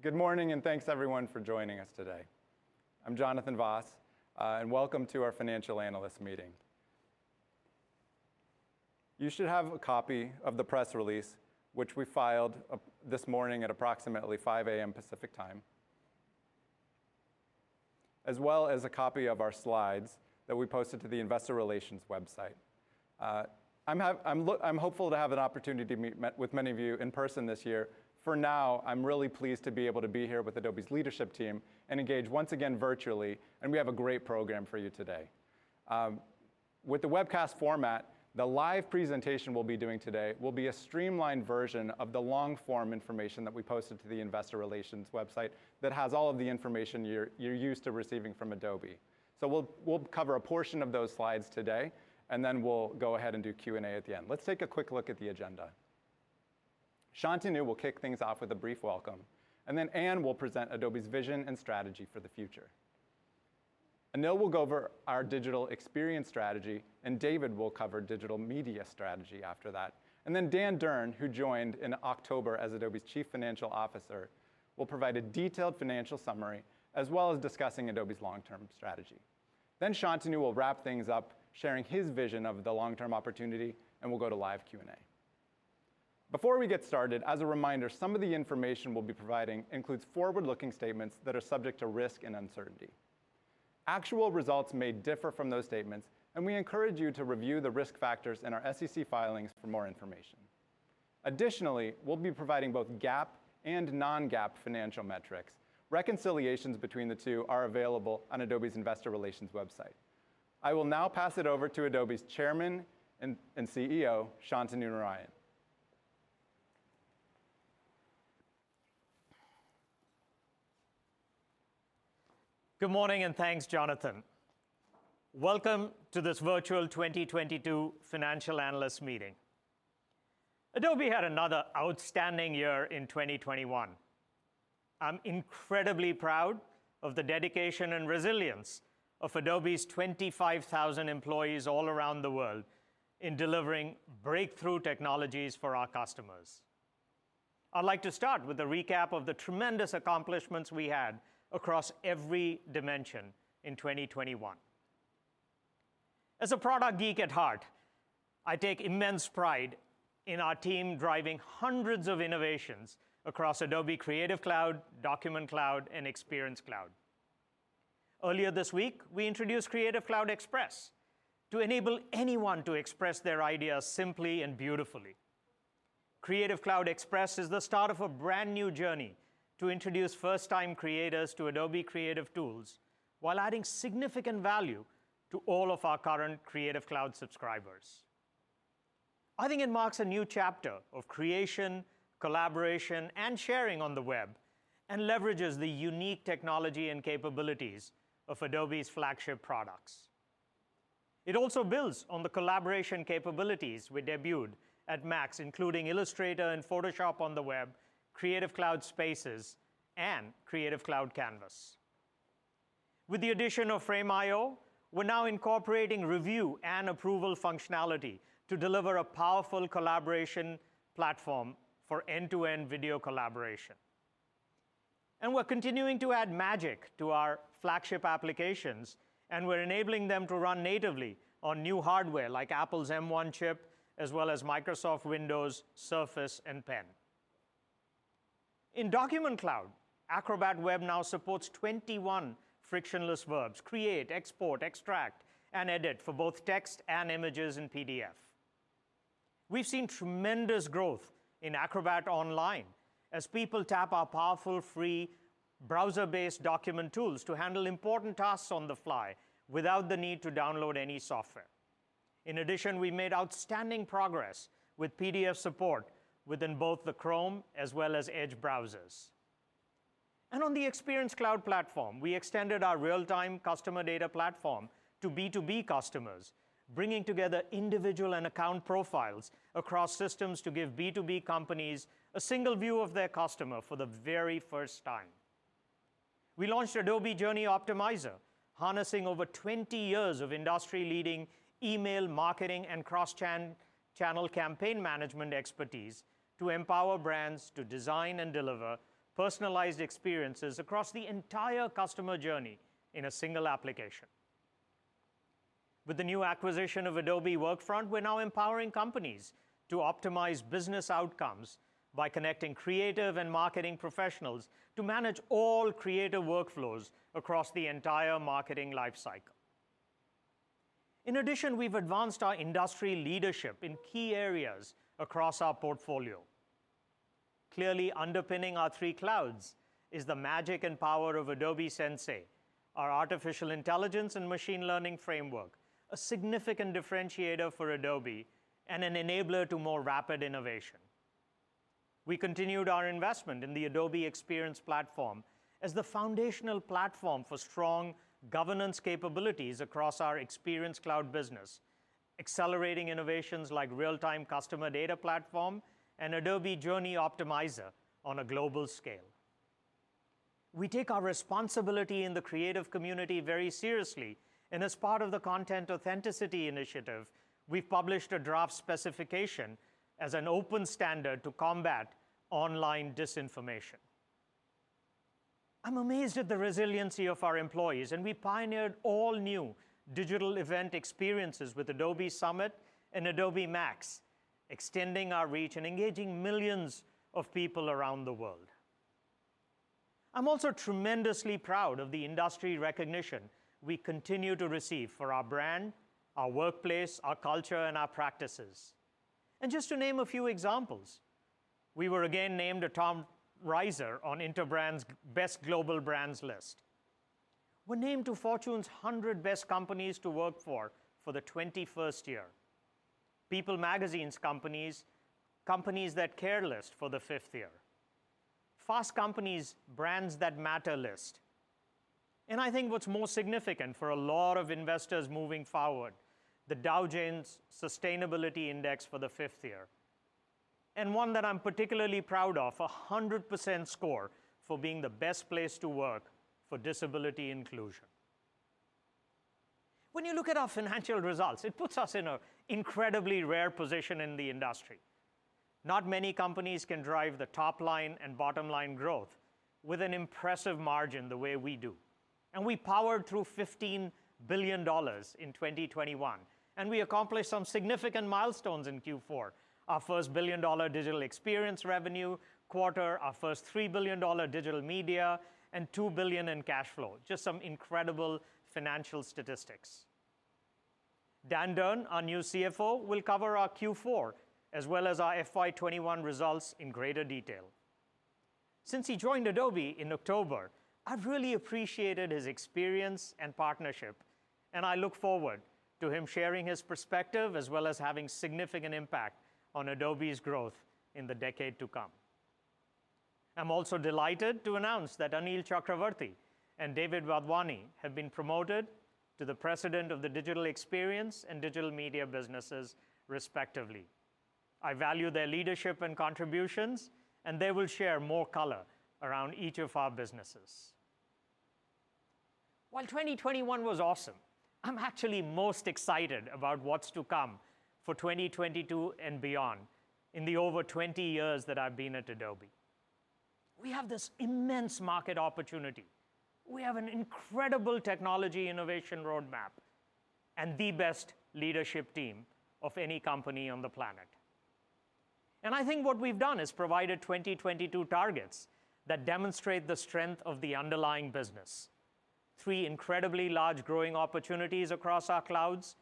Good morning, and thanks everyone for joining us today. I'm Jonathan Vaas, and welcome to our financial analyst meeting. You should have a copy of the press release which we filed this morning at approximately 5 A.M. Pacific time, as well as a copy of our slides that we posted to the investor relations website. I'm hopeful to have an opportunity to meet with many of you in person this year. For now, I'm really pleased to be able to be here with Adobe's leadership team and engage once again virtually, and we have a great program for you today. With the webcast format, the live presentation we'll be doing today will be a streamlined version of the long form information that we posted to the investor relations website that has all of the information you're used to receiving from Adobe. We'll cover a portion of those slides today, and then we'll go ahead and do Q&A at the end. Let's take a quick look at the agenda. Shantanu will kick things off with a brief welcome, and then Ann Lewnes will present Adobe's vision and strategy for the future. Anil will go over our digital experience strategy, and David will cover digital media strategy after that. Then Dan Durn, who joined in October as Adobe's Chief Financial Officer, will provide a detailed financial summary as well as discussing Adobe's long-term strategy. Shantanu will wrap things up, sharing his vision of the long-term opportunity, and we'll go to live Q&A. Before we get started, as a reminder, some of the information we'll be providing includes forward-looking statements that are subject to risk and uncertainty. Actual results may differ from those statements, and we encourage you to review the risk factors in our SEC filings for more information. Additionally, we'll be providing both GAAP and non-GAAP financial metrics. Reconciliations between the two are available on Adobe's investor relations website. I will now pass it over to Adobe's Chairman and CEO, Shantanu Narayen. Good morning, and thanks, Jonathan. Welcome to this virtual 2022 financial analyst meeting. Adobe had another outstanding year in 2021. I'm incredibly proud of the dedication and resilience of Adobe's 25,000 employees all around the world in delivering breakthrough technologies for our customers. I'd like to start with a recap of the tremendous accomplishments we had across every dimension in 2021. As a product geek at heart, I take immense pride in our team driving hundreds of innovations across Adobe Creative Cloud, Document Cloud, and Experience Cloud. Earlier this week, we introduced Creative Cloud Express to enable anyone to express their ideas simply and beautifully. Creative Cloud Express is the start of a brand-new journey to introduce first-time creators to Adobe Creative tools while adding significant value to all of our current Creative Cloud subscribers. I think it marks a new chapter of creation, collaboration, and sharing on the web and leverages the unique technology and capabilities of Adobe's flagship products. It also builds on the collaboration capabilities we debuted at MAX, including Illustrator and Photoshop on the web, Creative Cloud Spaces, and Creative Cloud Canvas. With the addition of Frame.io, we're now incorporating review and approval functionality to deliver a powerful collaboration platform for end-to-end video collaboration. We're continuing to add magic to our flagship applications, and we're enabling them to run natively on new hardware like Apple's M1 chip as well as Microsoft Windows, Surface, and Pen. In Document Cloud, Acrobat Web now supports 21 frictionless verbs, create, export, extract, and edit for both text and images in PDF. We've seen tremendous growth in Acrobat online as people tap our powerful free browser-based document tools to handle important tasks on the fly without the need to download any software. In addition, we made outstanding progress with PDF support within both the Chrome as well as Edge browsers. On the Experience Cloud platform, we extended our Real-Time Customer Data Platform to B2B customers, bringing together individual and account profiles across systems to give B2B companies a single view of their customer for the very first time. We launched Adobe Journey Optimizer, harnessing over 20 years of industry-leading email marketing and cross-channel campaign management expertise to empower brands to design and deliver personalized experiences across the entire customer journey in a single application. With the new acquisition of Adobe Workfront, we're now empowering companies to optimize business outcomes by connecting creative and marketing professionals to manage all creative workflows across the entire marketing life cycle. In addition, we've advanced our industry leadership in key areas across our portfolio. Clearly underpinning our three clouds is the magic and power of Adobe Sensei, our artificial intelligence and machine learning framework, a significant differentiator for Adobe and an enabler to more rapid innovation. We continued our investment in the Adobe Experience Platform as the foundational platform for strong governance capabilities across our Experience Cloud business, accelerating innovations like Real-Time Customer Data Platform and Adobe Journey Optimizer on a global scale. We take our responsibility in the creative community very seriously, and as part of the Content Authenticity Initiative, we've published a draft specification as an open standard to combat online disinformation. I'm amazed at the resiliency of our employees, and we pioneered all-new digital event experiences with Adobe Summit and Adobe MAX, extending our reach and engaging millions of people around the world. I'm also tremendously proud of the industry recognition we continue to receive for our brand, our workplace, our culture, and our practices. Just to name a few examples, we were again named a top riser on Interbrand's Best Global Brands list. We're named to Fortune's 100 Best Companies to Work For for the 21st year. People magazine's Companies That Care list for the 5th year. Fast Company's Brands That Matter list. I think what's more significant for a lot of investors moving forward, the Dow Jones Sustainability Index for the 5th year. One that I'm particularly proud of, 100% score for being the best place to work for disability inclusion. When you look at our financial results, it puts us in an incredibly rare position in the industry. Not many companies can drive the top-line and bottom-line growth with an impressive margin the way we do. We powered through $15 billion in 2021, and we accomplished some significant milestones in Q4. Our first $1 billion digital experience revenue quarter, our first $3 billion digital media, and $2 billion in cash flow. Just some incredible financial statistics. Dan Durn, our new CFO, will cover our Q4 as well as our FY 2021 results in greater detail. Since he joined Adobe in October, I've really appreciated his experience and partnership, and I look forward to him sharing his perspective as well as having significant impact on Adobe's growth in the decade to come. I'm also delighted to announce that Anil Chakravarthy and David Wadhwani have been promoted to the President of the Digital Experience and Digital Media businesses respectively. I value their leadership and contributions, and they will share more color around each of our businesses. While 2021 was awesome, I'm actually most excited about what's to come for 2022 and beyond in the over 20 years that I've been at Adobe. We have this immense market opportunity. We have an incredible technology innovation roadmap, and the best leadership team of any company on the planet. I think what we've done is provided 2022 targets that demonstrate the strength of the underlying business. Three incredibly large growing opportunities across our clouds,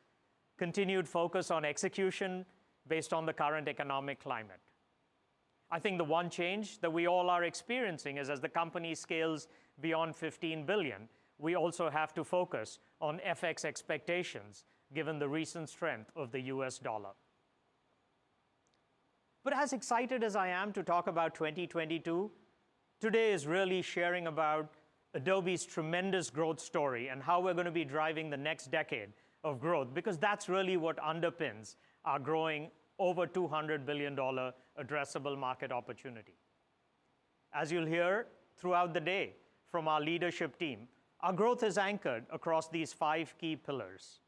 continued focus on execution based on the current economic climate. I think the one change that we all are experiencing is as the company scales beyond $15 billion, we also have to focus on FX expectations given the recent strength of the U.S. dollar. As excited as I am to talk about 2022, today is really sharing about Adobe's tremendous growth story and how we're going to be driving the next decade of growth because that's really what underpins our growing over $200 billion addressable market opportunity. As you'll hear throughout the day from our leadership team, our growth is anchored across these five key pillars.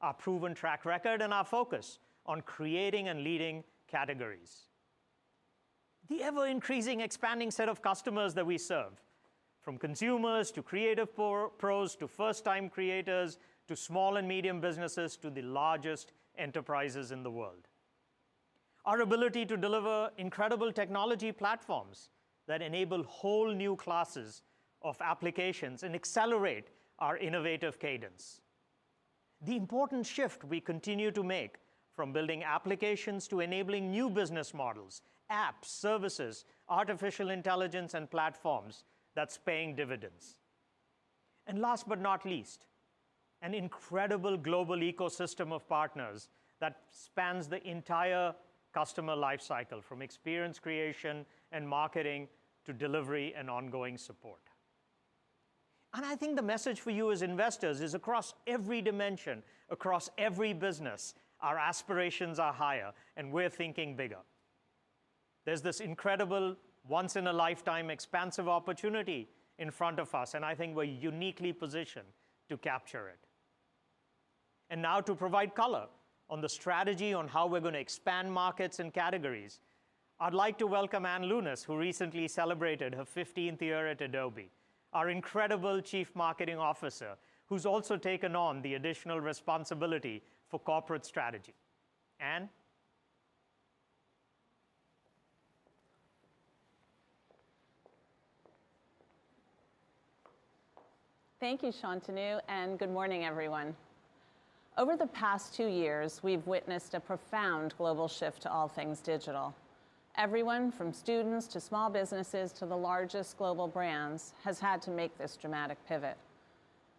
Our proven track record and our focus on creating and leading categories. The ever-increasing expanding set of customers that we serve, from consumers to creative pros, to first-time creators, to small and medium businesses, to the largest enterprises in the world. Our ability to deliver incredible technology platforms that enable whole new classes of applications and accelerate our innovative cadence. The important shift we continue to make from building applications to enabling new business models, apps, services, artificial intelligence, and platforms that's paying dividends. Last but not least, an incredible global ecosystem of partners that spans the entire customer life cycle from experience creation and marketing to delivery and ongoing support. I think the message for you as investors is across every dimension, across every business, our aspirations are higher, and we're thinking bigger. There's this incredible once-in-a-lifetime expansive opportunity in front of us, and I think we're uniquely positioned to capture it. Now to provide color on the strategy on how we're going to expand markets and categories, I'd like to welcome Ann Lewnes, who recently celebrated her 15th year at Adobe, our incredible Chief Marketing Officer, who's also taken on the additional responsibility for corporate strategy. Ann? Thank you, Shantanu, and good morning, everyone. Over the past two years, we've witnessed a profound global shift to all things digital. Everyone from students to small businesses to the largest global brands has had to make this dramatic pivot.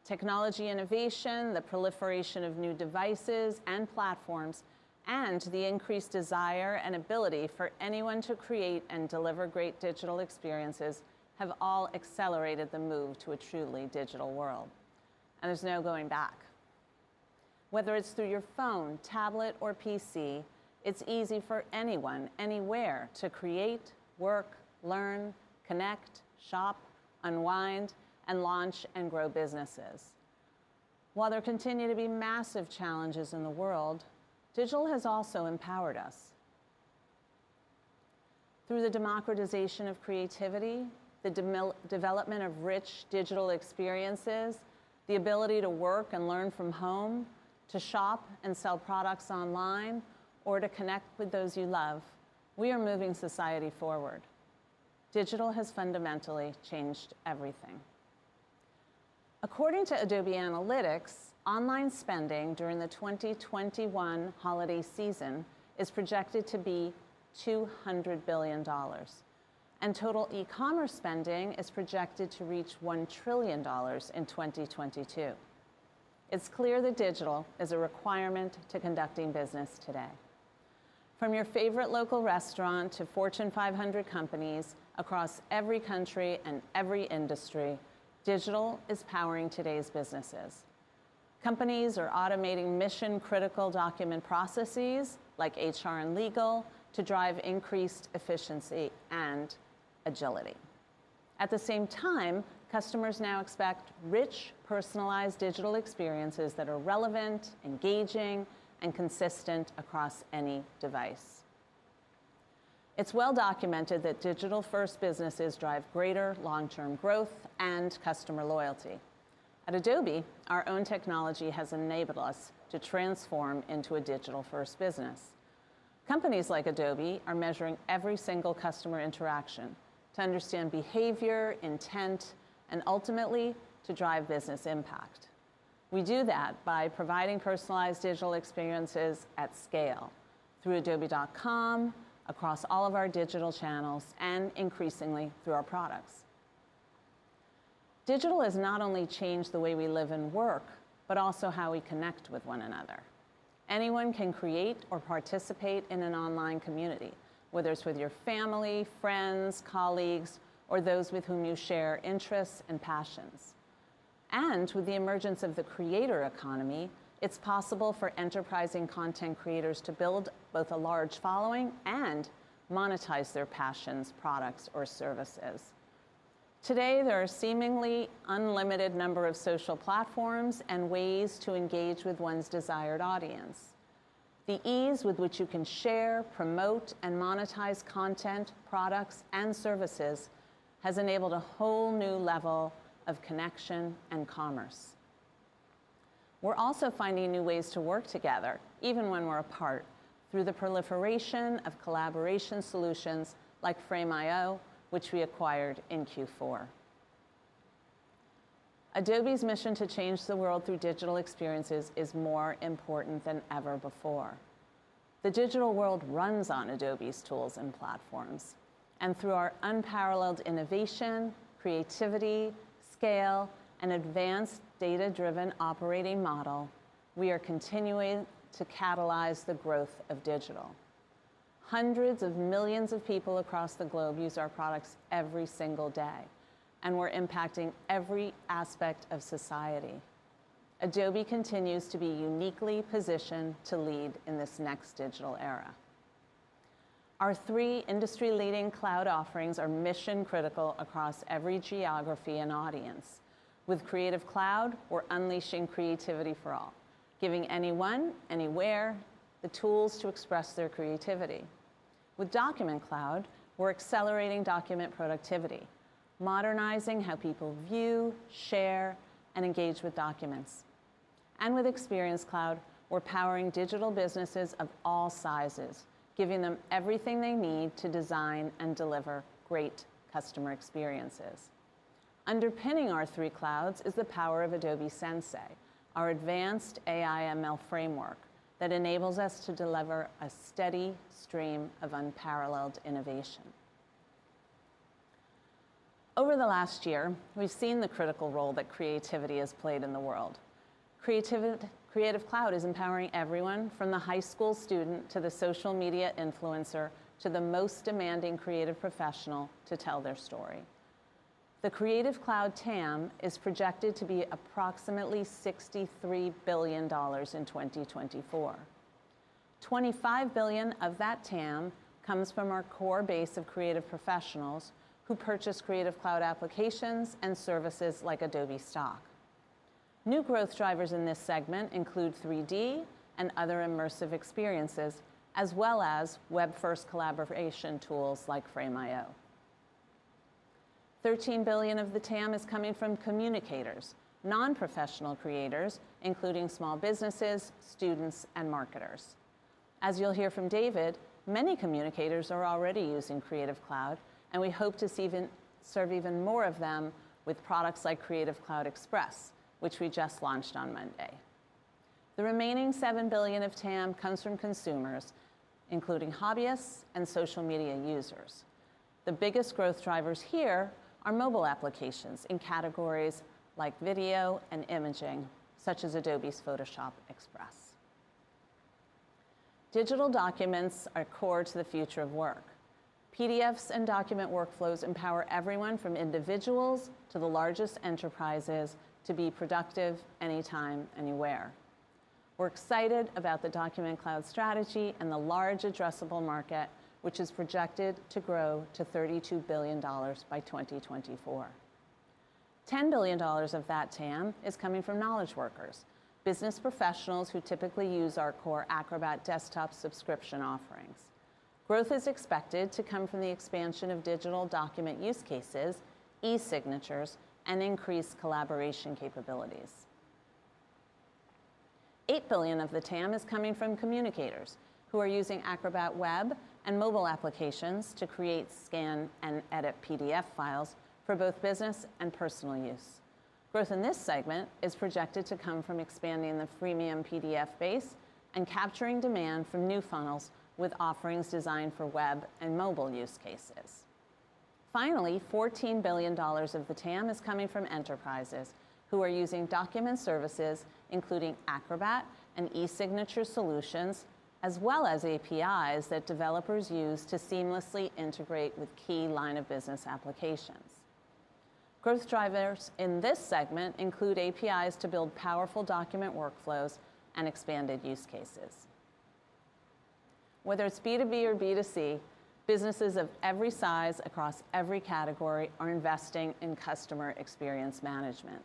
Technology innovation, the proliferation of new devices and platforms, and the increased desire and ability for anyone to create and deliver great digital experiences have all accelerated the move to a truly digital world, and there's no going back. Whether it's through your phone, tablet, or PC, it's easy for anyone, anywhere to create, work, learn, connect, shop, unwind, and launch and grow businesses. While there continue to be massive challenges in the world, digital has also empowered us. Through the democratization of creativity, the development of rich digital experiences, the ability to work and learn from home, to shop and sell products online, or to connect with those you love, we are moving society forward. Digital has fundamentally changed everything. According to Adobe Analytics, online spending during the 2021 holiday season is projected to be $200 billion, and total e-commerce spending is projected to reach $1 trillion in 2022. It's clear that digital is a requirement to conducting business today. From your favorite local restaurant to Fortune 500 companies across every country and every industry, digital is powering today's businesses. Companies are automating mission-critical document processes like HR and legal to drive increased efficiency and agility. At the same time, customers now expect rich, personalized digital experiences that are relevant, engaging, and consistent across any device. It's well documented that digital-first businesses drive greater long-term growth and customer loyalty. At Adobe, our own technology has enabled us to transform into a digital-first business. Companies like Adobe are measuring every single customer interaction to understand behavior, intent, and ultimately, to drive business impact. We do that by providing personalized digital experiences at scale through adobe.com, across all of our digital channels, and increasingly through our products. Digital has not only changed the way we live and work, but also how we connect with one another. Anyone can create or participate in an online community, whether it's with your family, friends, colleagues, or those with whom you share interests and passions. With the emergence of the creator economy, it's possible for enterprising content creators to build both a large following and monetize their passions, products, or services. Today, there are a seemingly unlimited number of social platforms and ways to engage with one's desired audience. The ease with which you can share, promote, and monetize content, products, and services has enabled a whole new level of connection and commerce. We're also finding new ways to work together, even when we're apart, through the proliferation of collaboration solutions like Frame.io, which we acquired in Q4. Adobe's mission to change the world through digital experiences is more important than ever before. The digital world runs on Adobe's tools and platforms, and through our unparalleled innovation, creativity, scale, and advanced data-driven operating model, we are continuing to catalyze the growth of digital. Hundreds of millions of people across the globe use our products every single day, and we're impacting every aspect of society. Adobe continues to be uniquely positioned to lead in this next digital era. Our three industry-leading cloud offerings are mission critical across every geography and audience. With Creative Cloud, we're unleashing creativity for all, giving anyone, anywhere the tools to express their creativity. With Document Cloud, we're accelerating document productivity, modernizing how people view, share, and engage with documents. With Experience Cloud, we're powering digital businesses of all sizes, giving them everything they need to design and deliver great customer experiences. Underpinning our three clouds is the power of Adobe Sensei, our advanced AI ML framework that enables us to deliver a steady stream of unparalleled innovation. Over the last year, we've seen the critical role that creativity has played in the world. Creative Cloud is empowering everyone from the high school student to the social media influencer to the most demanding creative professional to tell their story. The Creative Cloud TAM is projected to be approximately $63 billion in 2024. $25 billion of that TAM comes from our core base of creative professionals who purchase Creative Cloud applications and services like Adobe Stock. New growth drivers in this segment include 3D and other immersive experiences as well as web-first collaboration tools like Frame.io. $13 billion of the TAM is coming from communicators, non-professional creators, including small businesses, students, and marketers. As you'll hear from David, many communicators are already using Creative Cloud, and we hope to serve even more of them with products like Creative Cloud Express, which we just launched on Monday. The remaining $7 billion of TAM comes from consumers, including hobbyists and social media users. The biggest growth drivers here are mobile applications in categories like video and imaging, such as Adobe's Photoshop Express. Digital documents are core to the future of work. PDFs and document workflows empower everyone from individuals to the largest enterprises to be productive anytime, anywhere. We're excited about the Document Cloud strategy and the large addressable market which is projected to grow to $32 billion by 2024. $10 billion of that TAM is coming from knowledge workers, business professionals who typically use our core Acrobat desktop subscription offerings. Growth is expected to come from the expansion of digital document use cases, e-signatures, and increased collaboration capabilities. $8 billion of the TAM is coming from communicators who are using Acrobat web and mobile applications to create, scan, and edit PDF files for both business and personal use. Growth in this segment is projected to come from expanding the freemium PDF base and capturing demand from new funnels with offerings designed for web and mobile use cases. Finally, $14 billion of the TAM is coming from enterprises who are using document services including Acrobat and e-signature solutions, as well as APIs that developers use to seamlessly integrate with key line of business applications. Growth drivers in this segment include APIs to build powerful document workflows and expanded use cases. Whether it's B2B or B2C, businesses of every size across every category are investing in customer experience management.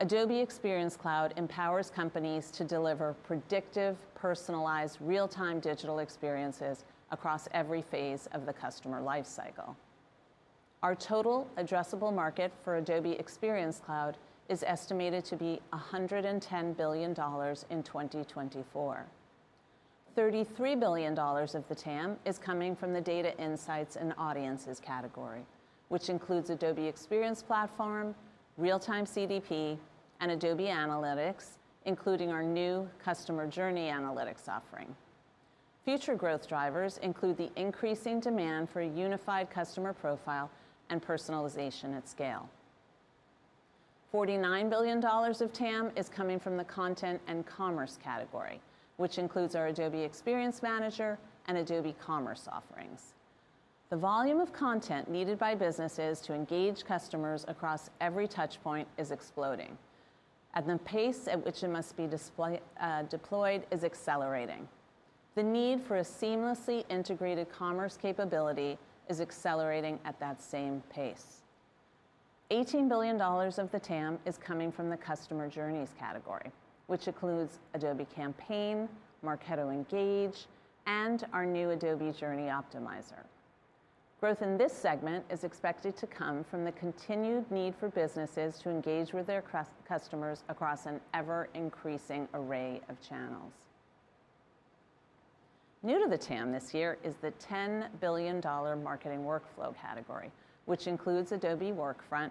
Adobe Experience Cloud empowers companies to deliver predictive, personalized, real-time digital experiences across every phase of the customer life cycle. Our total addressable market for Adobe Experience Cloud is estimated to be $110 billion in 2024. $33 billion of the TAM is coming from the data insights and audiences category, which includes Adobe Experience Platform, Real-Time CDP, and Adobe Analytics, including our new Customer Journey Analytics offering. Future growth drivers include the increasing demand for a unified customer profile and personalization at scale. $49 billion of TAM is coming from the content and commerce category, which includes our Adobe Experience Manager and Adobe Commerce offerings. The volume of content needed by businesses to engage customers across every touchpoint is exploding, and the pace at which it must be deployed is accelerating. The need for a seamlessly integrated commerce capability is accelerating at that same pace. $18 billion of the TAM is coming from the customer journeys category, which includes Adobe Campaign, Marketo Engage, and our new Adobe Journey Optimizer. Growth in this segment is expected to come from the continued need for businesses to engage with their customers across an ever-increasing array of channels. New to the TAM this year is the $10 billion marketing workflow category, which includes Adobe Workfront,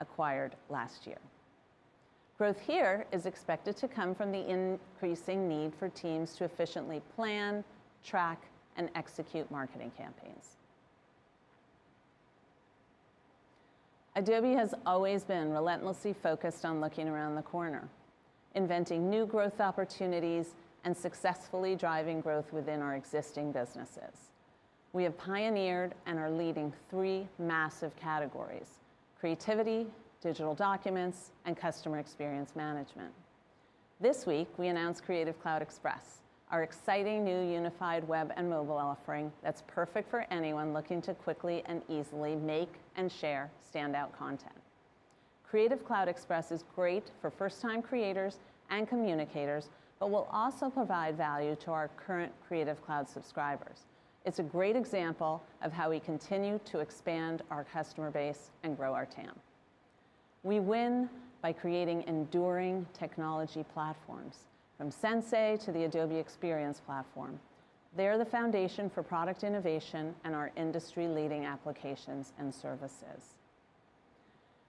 acquired last year. Growth here is expected to come from the increasing need for teams to efficiently plan, track, and execute marketing campaigns. Adobe has always been relentlessly focused on looking around the corner, inventing new growth opportunities, and successfully driving growth within our existing businesses. We have pioneered and are leading three massive categories, creativity, digital documents, and customer experience management. This week, we announced Creative Cloud Express, our exciting new unified web and mobile offering that's perfect for anyone looking to quickly and easily make and share standout content. Creative Cloud Express is great for first time creators and communicators, but will also provide value to our current Creative Cloud subscribers. It's a great example of how we continue to expand our customer base and grow our TAM. We win by creating enduring technology platforms, from Sensei to the Adobe Experience Platform. They're the foundation for product innovation and our industry-leading applications and services.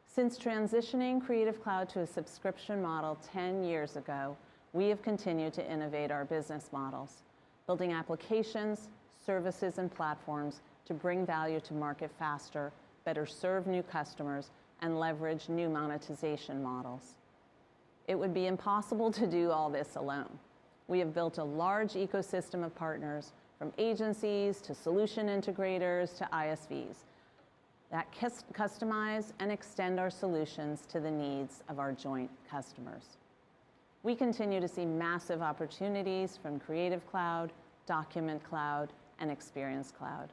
Since transitioning Creative Cloud to a subscription model 10 years ago, we have continued to innovate our business models, building applications, services, and platforms to bring value to market faster, better serve new customers, and leverage new monetization models. It would be impossible to do all this alone. We have built a large ecosystem of partners, from agencies to solution integrators to ISVs, that customize and extend our solutions to the needs of our joint customers. We continue to see massive opportunities from Creative Cloud, Document Cloud, and Experience Cloud.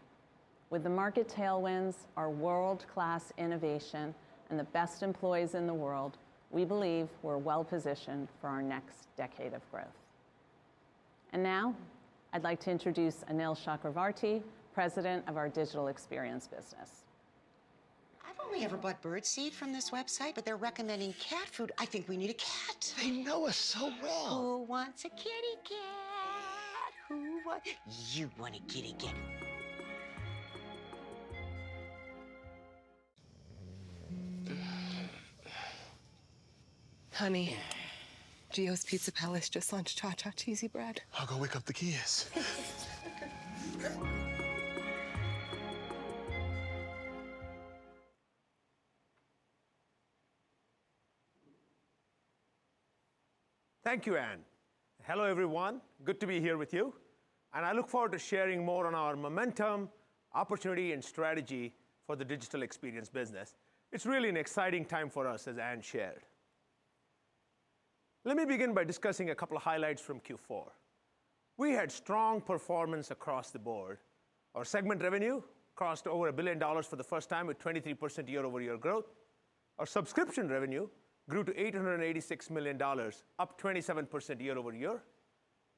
With the market tailwinds, our world-class innovation, and the best employees in the world, we believe we're well positioned for our next decade of growth. Now I'd like to introduce Anil Chakravarthy, President of our Digital Experience Business. I've only ever bought birdseed from this website, but they're recommending cat food. I think we need a cat. They know us so well. Who wants a kitty cat? You want a kitty cat. Honey, Gia's Pizza Palace just launched Cha Cha Cheesy Bread. I'll go wake up the kids. Thank you, Ann. Hello, everyone. Good to be here with you, and I look forward to sharing more on our momentum, opportunity, and strategy for the Digital Experience Business. It's really an exciting time for us, as Ann shared. Let me begin by discussing a couple highlights from Q4. We had strong performance across the board. Our segment revenue crossed over $1 billion for the first time with 23% year-over-year growth. Our subscription revenue grew to $886 million, up 27% year-over-year.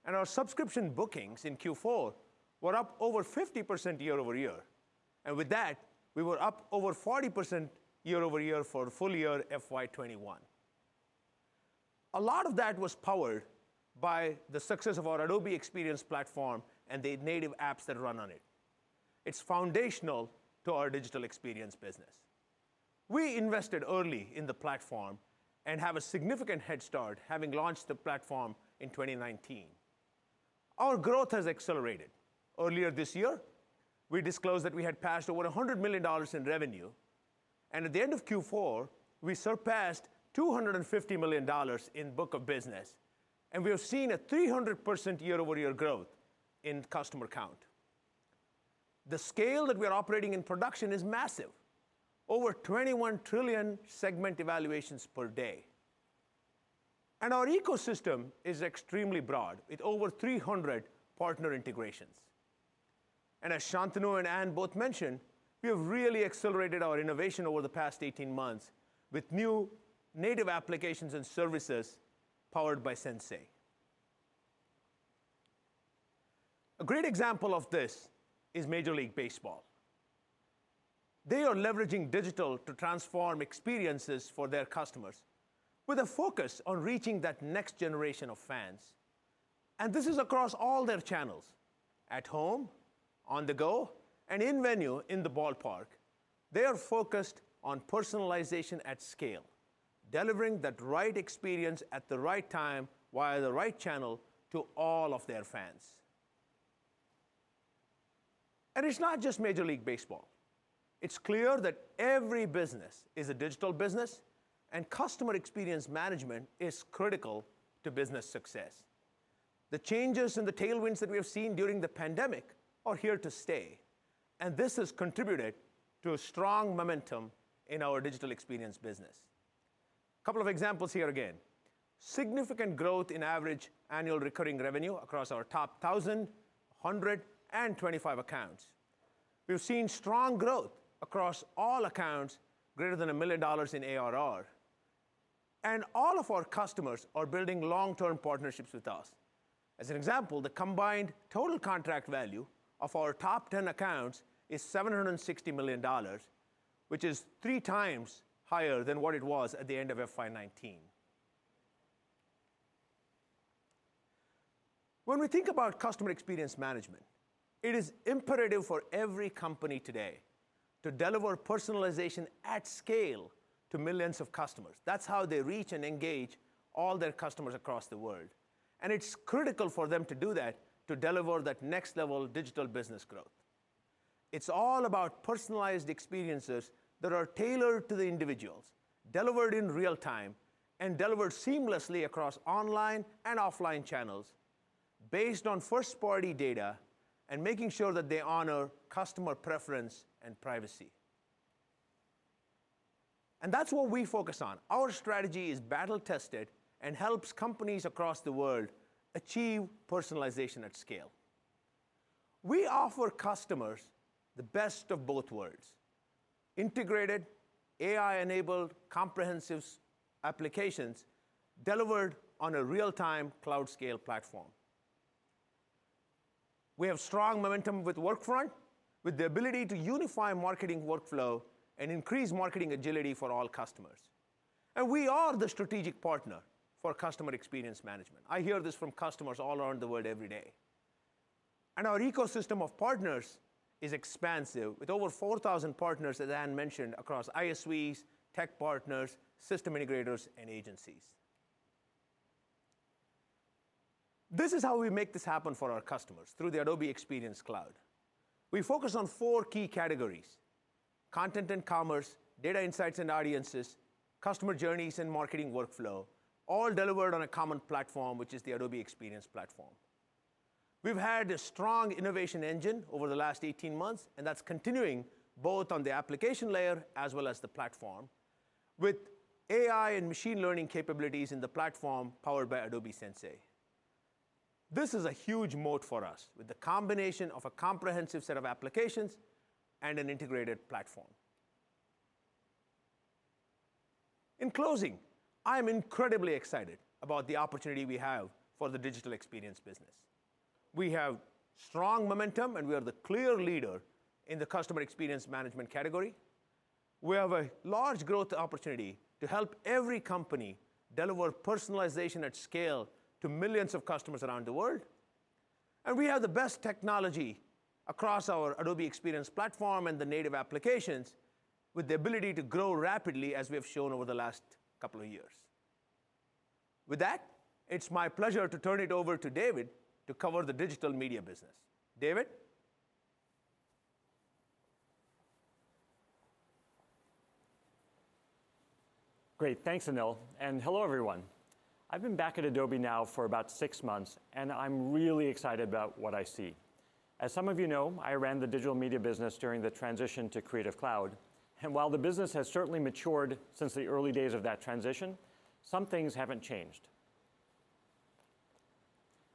Our subscription bookings in Q4 were up over 50% year-over-year. With that, we were up over 40% year-over-year for full year FY 2021. A lot of that was powered by the success of our Adobe Experience Platform and the native apps that run on it. It's foundational to our Digital Experience Business. We invested early in the platform and have a significant head start having launched the platform in 2019. Our growth has accelerated. Earlier this year, we disclosed that we had passed over $100 million in revenue, and at the end of Q4, we surpassed $250 million in book of business. We have seen a 300% year-over-year growth in customer count. The scale that we are operating in production is massive, over 21 trillion segment evaluations per day. Our ecosystem is extremely broad with over 300 partner integrations. As Shantanu and Ann both mentioned, we have really accelerated our innovation over the past 18 months with new native applications and services powered by Sensei. A great example of this is Major League Baseball. They are leveraging digital to transform experiences for their customers with a focus on reaching that next generation of fans, and this is across all their channels, at home, on the go, and in venue in the ballpark. They are focused on personalization at scale, delivering the right experience at the right time via the right channel to all of their fans. It's not just Major League Baseball. It's clear that every business is a digital business and customer experience management is critical to business success. The changes and the tailwinds that we have seen during the pandemic are here to stay, and this has contributed to a strong momentum in our digital experience business. Couple of examples here again. Significant growth in average annual recurring revenue across our top 1,000, 100, and 25 accounts. We've seen strong growth across all accounts greater than $1 million in ARR. All of our customers are building long-term partnerships with us. As an example, the combined total contract value of our top 10 accounts is $760 million, which is 3x higher than what it was at the end of FY 2019. When we think about customer experience management, it is imperative for every company today to deliver personalization at scale to millions of customers. That's how they reach and engage all their customers across the world, and it's critical for them to do that to deliver that next level of digital business growth. It's all about personalized experiences that are tailored to the individuals, delivered in real time, and delivered seamlessly across online and offline channels based on first-party data and making sure that they honor customer preference and privacy. That's what we focus on. Our strategy is battle-tested and helps companies across the world achieve personalization at scale. We offer customers the best of both worlds, integrated, AI-enabled, comprehensive applications delivered on a real-time cloud-scale platform. We have strong momentum with Workfront, with the ability to unify marketing workflow and increase marketing agility for all customers. We are the strategic partner for customer experience management. I hear this from customers all around the world every day. Our ecosystem of partners is expansive with over 4,000 partners, as Ann mentioned, across ISVs, tech partners, system integrators, and agencies. This is how we make this happen for our customers through the Adobe Experience Cloud. We focus on four key categories, content and commerce, data insights and audiences, customer journeys, and marketing workflow, all delivered on a common platform, which is the Adobe Experience Platform. We've had a strong innovation engine over the last 18 months, and that's continuing both on the application layer as well as the platform with AI and machine learning capabilities in the platform powered by Adobe Sensei. This is a huge moat for us, with the combination of a comprehensive set of applications and an integrated platform. In closing, I am incredibly excited about the opportunity we have for the Digital Experience Business. We have strong momentum, and we are the clear leader in the customer experience management category. We have a large growth opportunity to help every company deliver personalization at scale to millions of customers around the world, and we have the best technology across our Adobe Experience Platform and the native applications with the ability to grow rapidly as we have shown over the last couple of years. With that, it's my pleasure to turn it over to David to cover the Digital Media Business. David? Great. Thanks, Anil. Hello, everyone. I've been back at Adobe now for about six months, and I'm really excited about what I see. As some of you know, I ran the digital media business during the transition to Creative Cloud. While the business has certainly matured since the early days of that transition, some things haven't changed.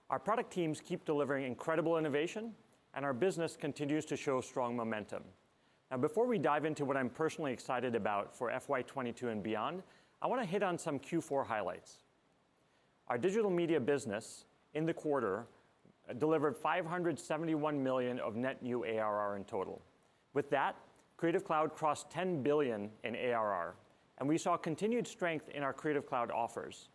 Our product teams keep delivering incredible innovation, and our business continues to show strong momentum. Now, before we dive into what I'm personally excited about for FY 2022 and beyond, I want to hit on some Q4 highlights. Our digital media business in the quarter delivered $571 million of net new ARR in total. With that, Creative Cloud crossed $10 billion in ARR, and we saw continued strength in our Creative Cloud offers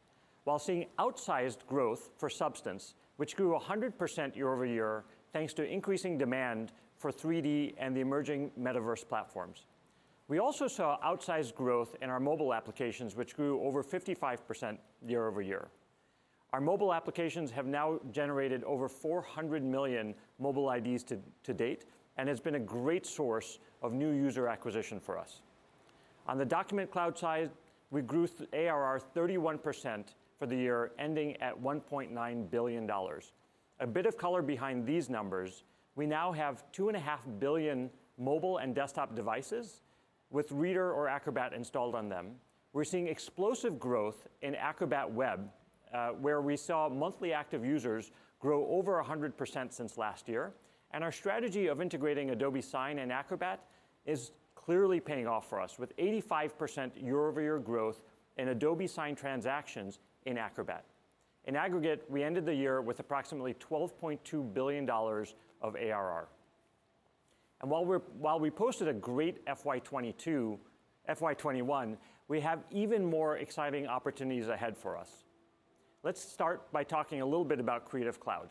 while seeing outsized growth for Substance, which grew 100% year-over-year, thanks to increasing demand for 3D and the emerging metaverse platforms. We also saw outsized growth in our mobile applications, which grew over 55% year-over-year. Our mobile applications have now generated over 400 million mobile IDs to date and has been a great source of new user acquisition for us. On the Document Cloud side, we grew ARR 31% for the year, ending at $1.9 billion. A bit of color behind these numbers, we now have 2.5 billion mobile and desktop devices with Reader or Acrobat installed on them. We're seeing explosive growth in Acrobat Web, where we saw monthly active users grow over 100% since last year. Our strategy of integrating Adobe Sign and Acrobat is clearly paying off for us with 85% year-over-year growth in Adobe Sign transactions in Acrobat. In aggregate, we ended the year with approximately $12.2 billion of ARR. While we posted a great FY 2021, we have even more exciting opportunities ahead for us. Let's start by talking a little bit about Creative Cloud.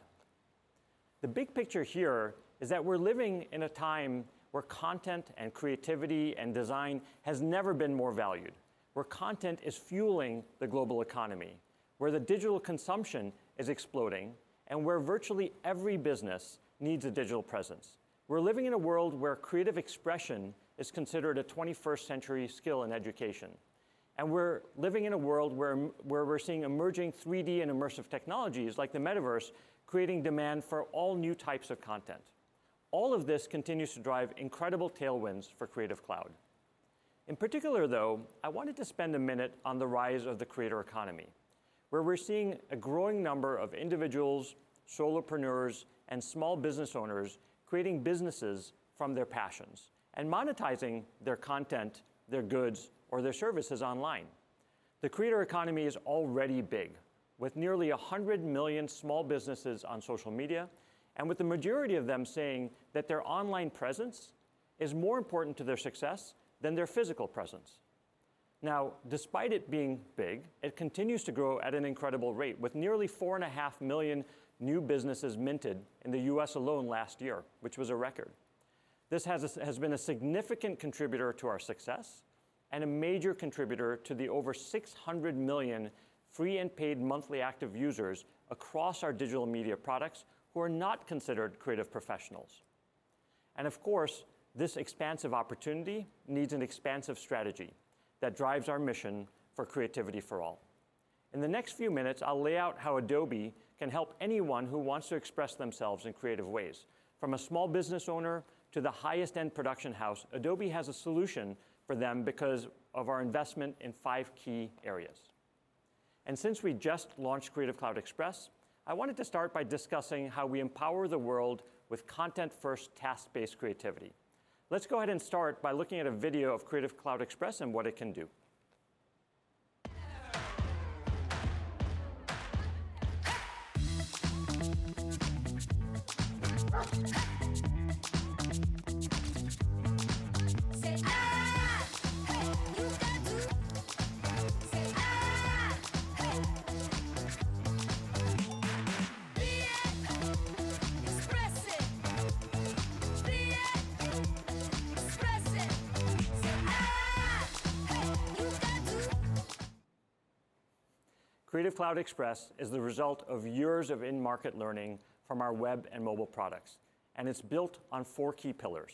The big picture here is that we're living in a time where content and creativity and design has never been more valued, where content is fueling the global economy, where the digital consumption is exploding, and where virtually every business needs a digital presence. We're living in a world where creative expression is considered a twenty-first century skill in education. We're living in a world where we're seeing emerging 3D and immersive technologies like the metaverse creating demand for all new types of content. All of this continues to drive incredible tailwinds for Creative Cloud. In particular, though, I wanted to spend a minute on the rise of the creator economy, where we're seeing a growing number of individuals, solopreneurs, and small business owners creating businesses from their passions and monetizing their content, their goods, or their services online. The creator economy is already big, with nearly 100 million small businesses on social media and with the majority of them saying that their online presence is more important to their success than their physical presence. Now, despite it being big, it continues to grow at an incredible rate with nearly 4.5 million new businesses minted in the U.S. alone last year, which was a record. This has been a significant contributor to our success and a major contributor to the over 600 million free and paid monthly active users across our digital media products who are not considered creative professionals. Of course, this expansive opportunity needs an expansive strategy that drives our mission for Creativity for All. In the next few minutes, I'll lay out how Adobe can help anyone who wants to express themselves in creative ways. From a small business owner to the highest end production house, Adobe has a solution for them because of our investment in 5 key areas. Since we just launched Creative Cloud Express, I wanted to start by discussing how we empower the world with content-first, task-based creativity. Let's go ahead and start by looking at a video of Creative Cloud Express and what it can do. Creative Cloud Express is the result of years of in-market learning from our web and mobile products, and it's built on four key pillars.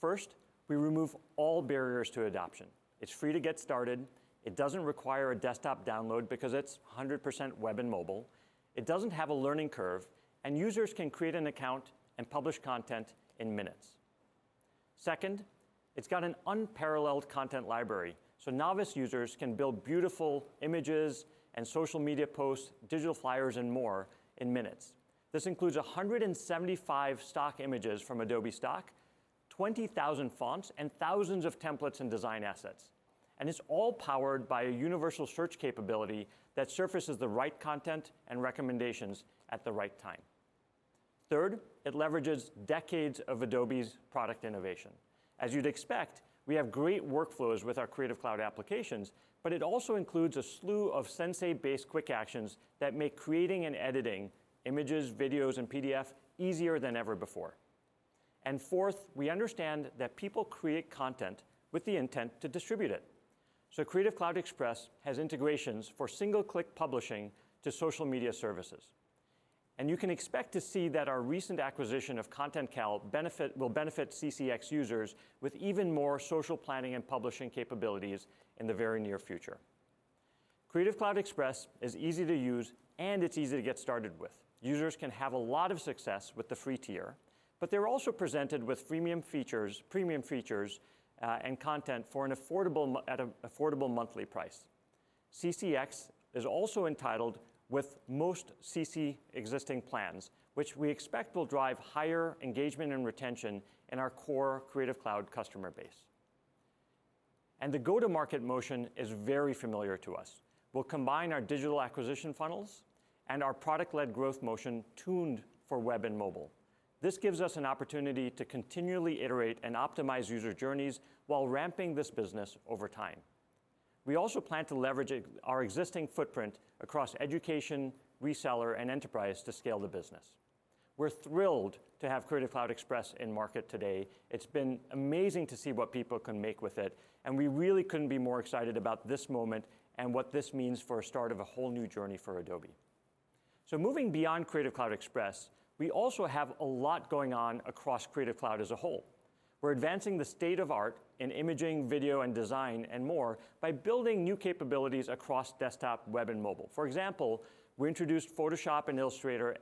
First, we remove all barriers to adoption. It's free to get started, it doesn't require a desktop download because it's 100% web and mobile, it doesn't have a learning curve, and users can create an account and publish content in minutes. Second, it's got an unparalleled content library, so novice users can build beautiful images and social media posts, digital flyers, and more in minutes. This includes 175 stock images from Adobe Stock, 20,000 fonts, and thousands of templates and design assets. It's all powered by a universal search capability that surfaces the right content and recommendations at the right time. Third, it leverages decades of Adobe's product innovation. As you'd expect, we have great workflows with our Creative Cloud applications, but it also includes a slew of Sensei-based quick actions that make creating and editing images, videos, and PDF easier than ever before. Fourth, we understand that people create content with the intent to distribute it. Creative Cloud Express has integrations for single-click publishing to social media services. You can expect to see that our recent acquisition of ContentCal will benefit CCX users with even more social planning and publishing capabilities in the very near future. Creative Cloud Express is easy to use and it's easy to get started with. Users can have a lot of success with the free tier, but they're also presented with freemium features, premium features, and content at an affordable monthly price. CCX is also entitled with most CC existing plans, which we expect will drive higher engagement and retention in our core Creative Cloud customer base. The go-to-market motion is very familiar to us. We'll combine our digital acquisition funnels and our product-led growth motion tuned for web and mobile. This gives us an opportunity to continually iterate and optimize user journeys while ramping this business over time. We also plan to leverage our existing footprint across education, reseller, and enterprise to scale the business. We're thrilled to have Creative Cloud Express in market today. It's been amazing to see what people can make with it, and we really couldn't be more excited about this moment and what this means for a start of a whole new journey for Adobe. Moving beyond Creative Cloud Express, we also have a lot going on across Creative Cloud as a whole. We're advancing the state of the art in imaging, video, and design, and more by building new capabilities across desktop, web, and mobile. For example, we introduced Photoshop and Illustrator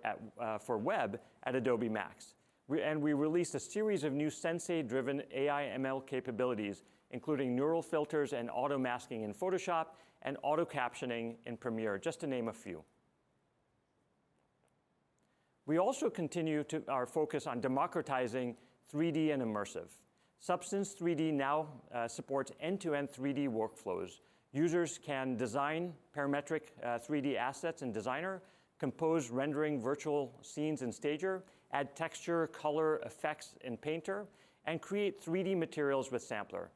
for web at Adobe MAX. We released a series of new Sensei-driven AI ML capabilities, including Neural Filters and auto masking in Photoshop and auto captioning in Premiere, just to name a few. We also continue our focus on democratizing 3D and immersive. Substance 3D now supports end-to-end 3D workflows. Users can design parametric 3D assets in Designer, compose rendering virtual scenes in Stager, add texture, color, effects in Painter, and create 3D materials with Sampler.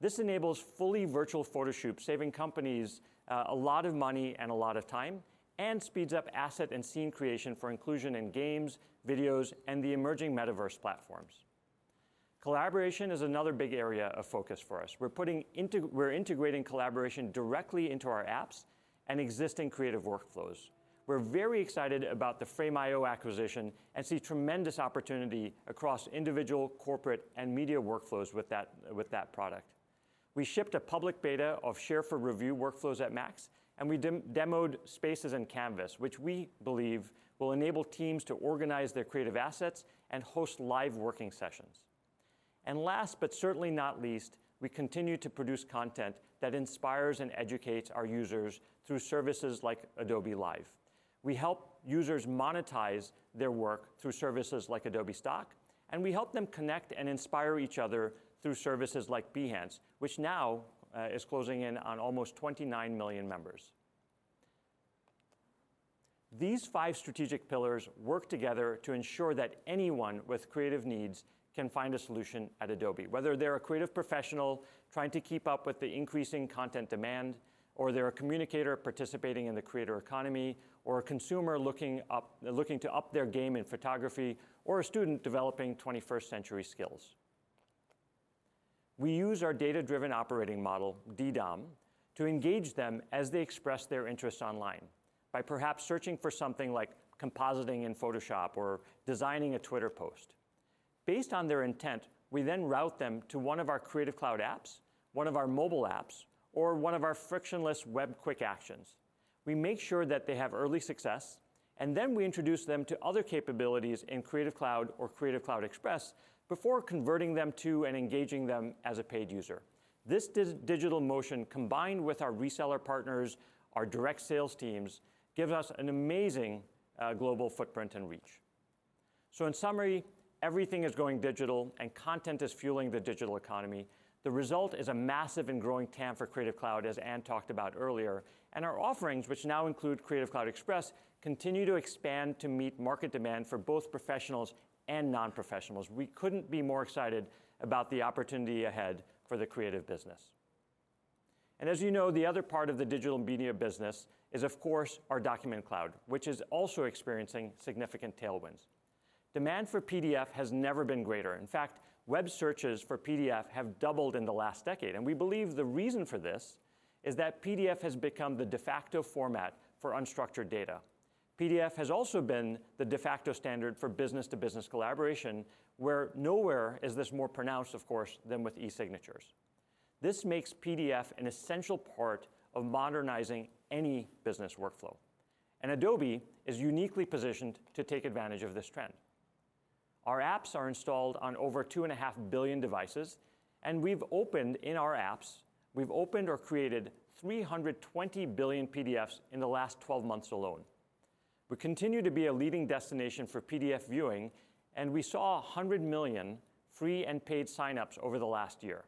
This enables fully virtual photo shoots, saving companies a lot of money and a lot of time, and speeds up asset and scene creation for inclusion in games, videos, and the emerging metaverse platforms. Collaboration is another big area of focus for us. We're integrating collaboration directly into our apps and existing creative workflows. We're very excited about the Frame.io acquisition and see tremendous opportunity across individual, corporate, and media workflows with that product. We shipped a public beta of Share for Review workflows at MAX, and we demoed Spaces and Canvas, which we believe will enable teams to organize their creative assets and host live working sessions. Last but certainly not least, we continue to produce content that inspires and educates our users through services like Adobe Live. We help users monetize their work through services like Adobe Stock, and we help them connect and inspire each other through services like Behance, which now is closing in on almost 29 million members. These five strategic pillars work together to ensure that anyone with creative needs can find a solution at Adobe, whether they're a creative professional trying to keep up with the increasing content demand, or they're a communicator participating in the creator economy, or a consumer looking to up their game in photography, or a student developing 21st century skills. We use our data-driven operating model, DDOM, to engage them as they express their interest online by perhaps searching for something like compositing in Photoshop or designing a Twitter post. Based on their intent, we then route them to one of our Creative Cloud apps, one of our mobile apps, or one of our frictionless web quick actions. We make sure that they have early success, and then we introduce them to other capabilities in Creative Cloud or Creative Cloud Express before converting them to and engaging them as a paid user. This digital motion, combined with our reseller partners, our direct sales teams, gives us an amazing global footprint and reach. In summary, everything is going digital, and content is fueling the digital economy. The result is a massive and growing TAM for Creative Cloud, as Ann talked about earlier. Our offerings, which now include Creative Cloud Express, continue to expand to meet market demand for both professionals and non-professionals. We couldn't be more excited about the opportunity ahead for the creative business. As you know, the other part of the digital media business is, of course, our Document Cloud, which is also experiencing significant tailwinds. Demand for PDF has never been greater. In fact, web searches for PDF have doubled in the last decade. We believe the reason for this is that PDF has become the de facto format for unstructured data. PDF has also been the de facto standard for business-to-business collaboration, where nowhere is this more pronounced, of course, than with e-signatures. This makes PDF an essential part of modernizing any business workflow. Adobe is uniquely positioned to take advantage of this trend. Our apps are installed on over 2.5 billion devices, and we've opened, in our apps, we've opened or created 320 billion PDFs in the last 12 months alone. We continue to be a leading destination for PDF viewing, and we saw 100 million free and paid signups over the last year.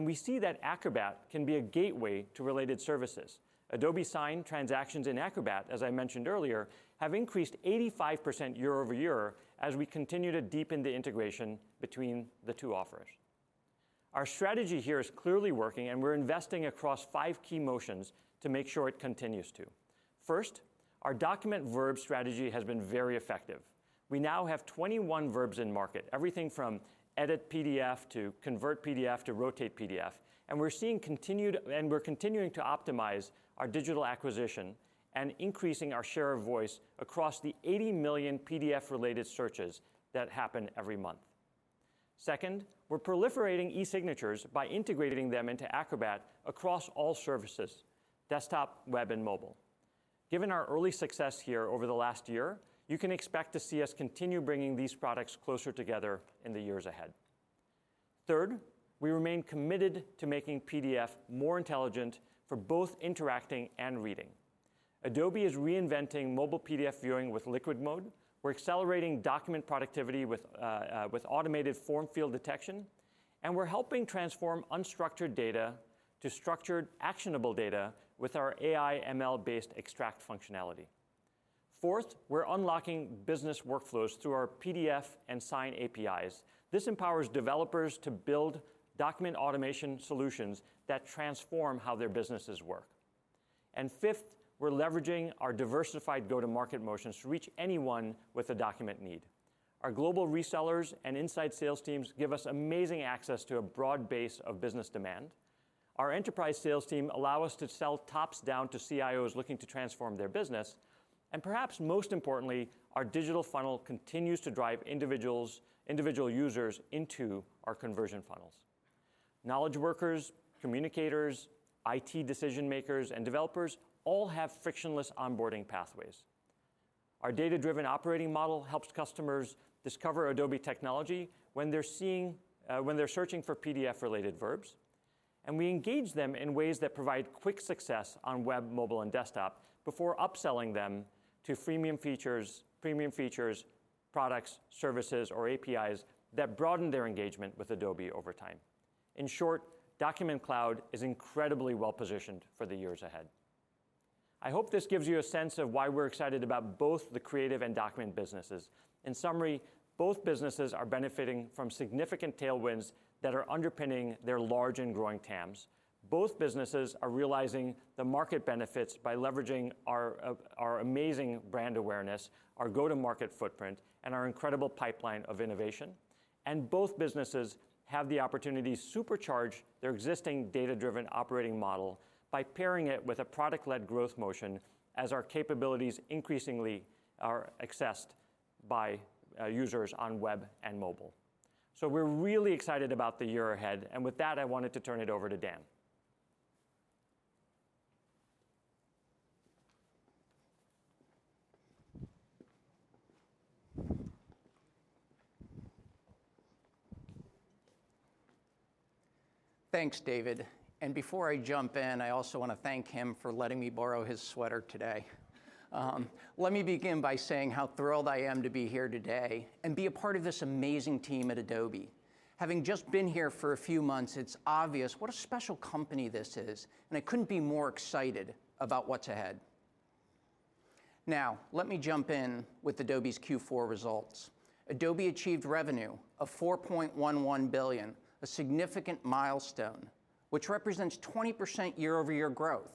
We see that Acrobat can be a gateway to related services. Adobe Sign transactions in Acrobat, as I mentioned earlier, have increased 85% year-over-year as we continue to deepen the integration between the two offers. Our strategy here is clearly working, and we're investing across five key motions to make sure it continues to. First, our document verb strategy has been very effective. We now have 21 verbs in market, everything from edit PDF to convert PDF to rotate PDF, and we're continuing to optimize our digital acquisition and increasing our share of voice across the 80 million PDF-related searches that happen every month. Second, we're proliferating e-signatures by integrating them into Acrobat across all services, desktop, web, and mobile. Given our early success here over the last year, you can expect to see us continue bringing these products closer together in the years ahead. Third, we remain committed to making PDF more intelligent for both interacting and reading. Adobe is reinventing mobile PDF viewing with Liquid Mode. We're accelerating document productivity with automated form field detection, and we're helping transform unstructured data to structured, actionable data with our AI ML-based extract functionality. Fourth, we're unlocking business workflows through our PDF and Sign APIs. This empowers developers to build document automation solutions that transform how their businesses work. Fifth, we're leveraging our diversified go-to-market motions to reach anyone with a document need. Our global resellers and inside sales teams give us amazing access to a broad base of business demand. Our enterprise sales team allow us to sell tops down to CIOs looking to transform their business. Perhaps most importantly, our digital funnel continues to drive individual users into our conversion funnels. Knowledge workers, communicators, IT decision-makers, and developers all have frictionless onboarding pathways. Our data-driven operating model helps customers discover Adobe technology when they're searching for PDF-related verbs, and we engage them in ways that provide quick success on web, mobile, and desktop before upselling them to freemium features, premium features, products, services, or APIs that broaden their engagement with Adobe over time. In short, Document Cloud is incredibly well-positioned for the years ahead. I hope this gives you a sense of why we're excited about both the creative and document businesses. In summary, both businesses are benefiting from significant tailwinds that are underpinning their large and growing TAMs. Both businesses are realizing the market benefits by leveraging our amazing brand awareness, our go-to-market footprint, and our incredible pipeline of innovation, and both businesses have the opportunity to supercharge their existing data-driven operating model by pairing it with a product-led growth motion as our capabilities increasingly are accessed by users on web and mobile. We're really excited about the year ahead, and with that, I wanted to turn it over to Dan. Thanks, David. Before I jump in, I also want to thank him for letting me borrow his sweater today. Let me begin by saying how thrilled I am to be here today and be a part of this amazing team at Adobe. Having just been here for a few months, it's obvious what a special company this is, and I couldn't be more excited about what's ahead. Now, let me jump in with Adobe's Q4 results. Adobe achieved revenue of $4.11 billion, a significant milestone which represents 20% year-over-year growth.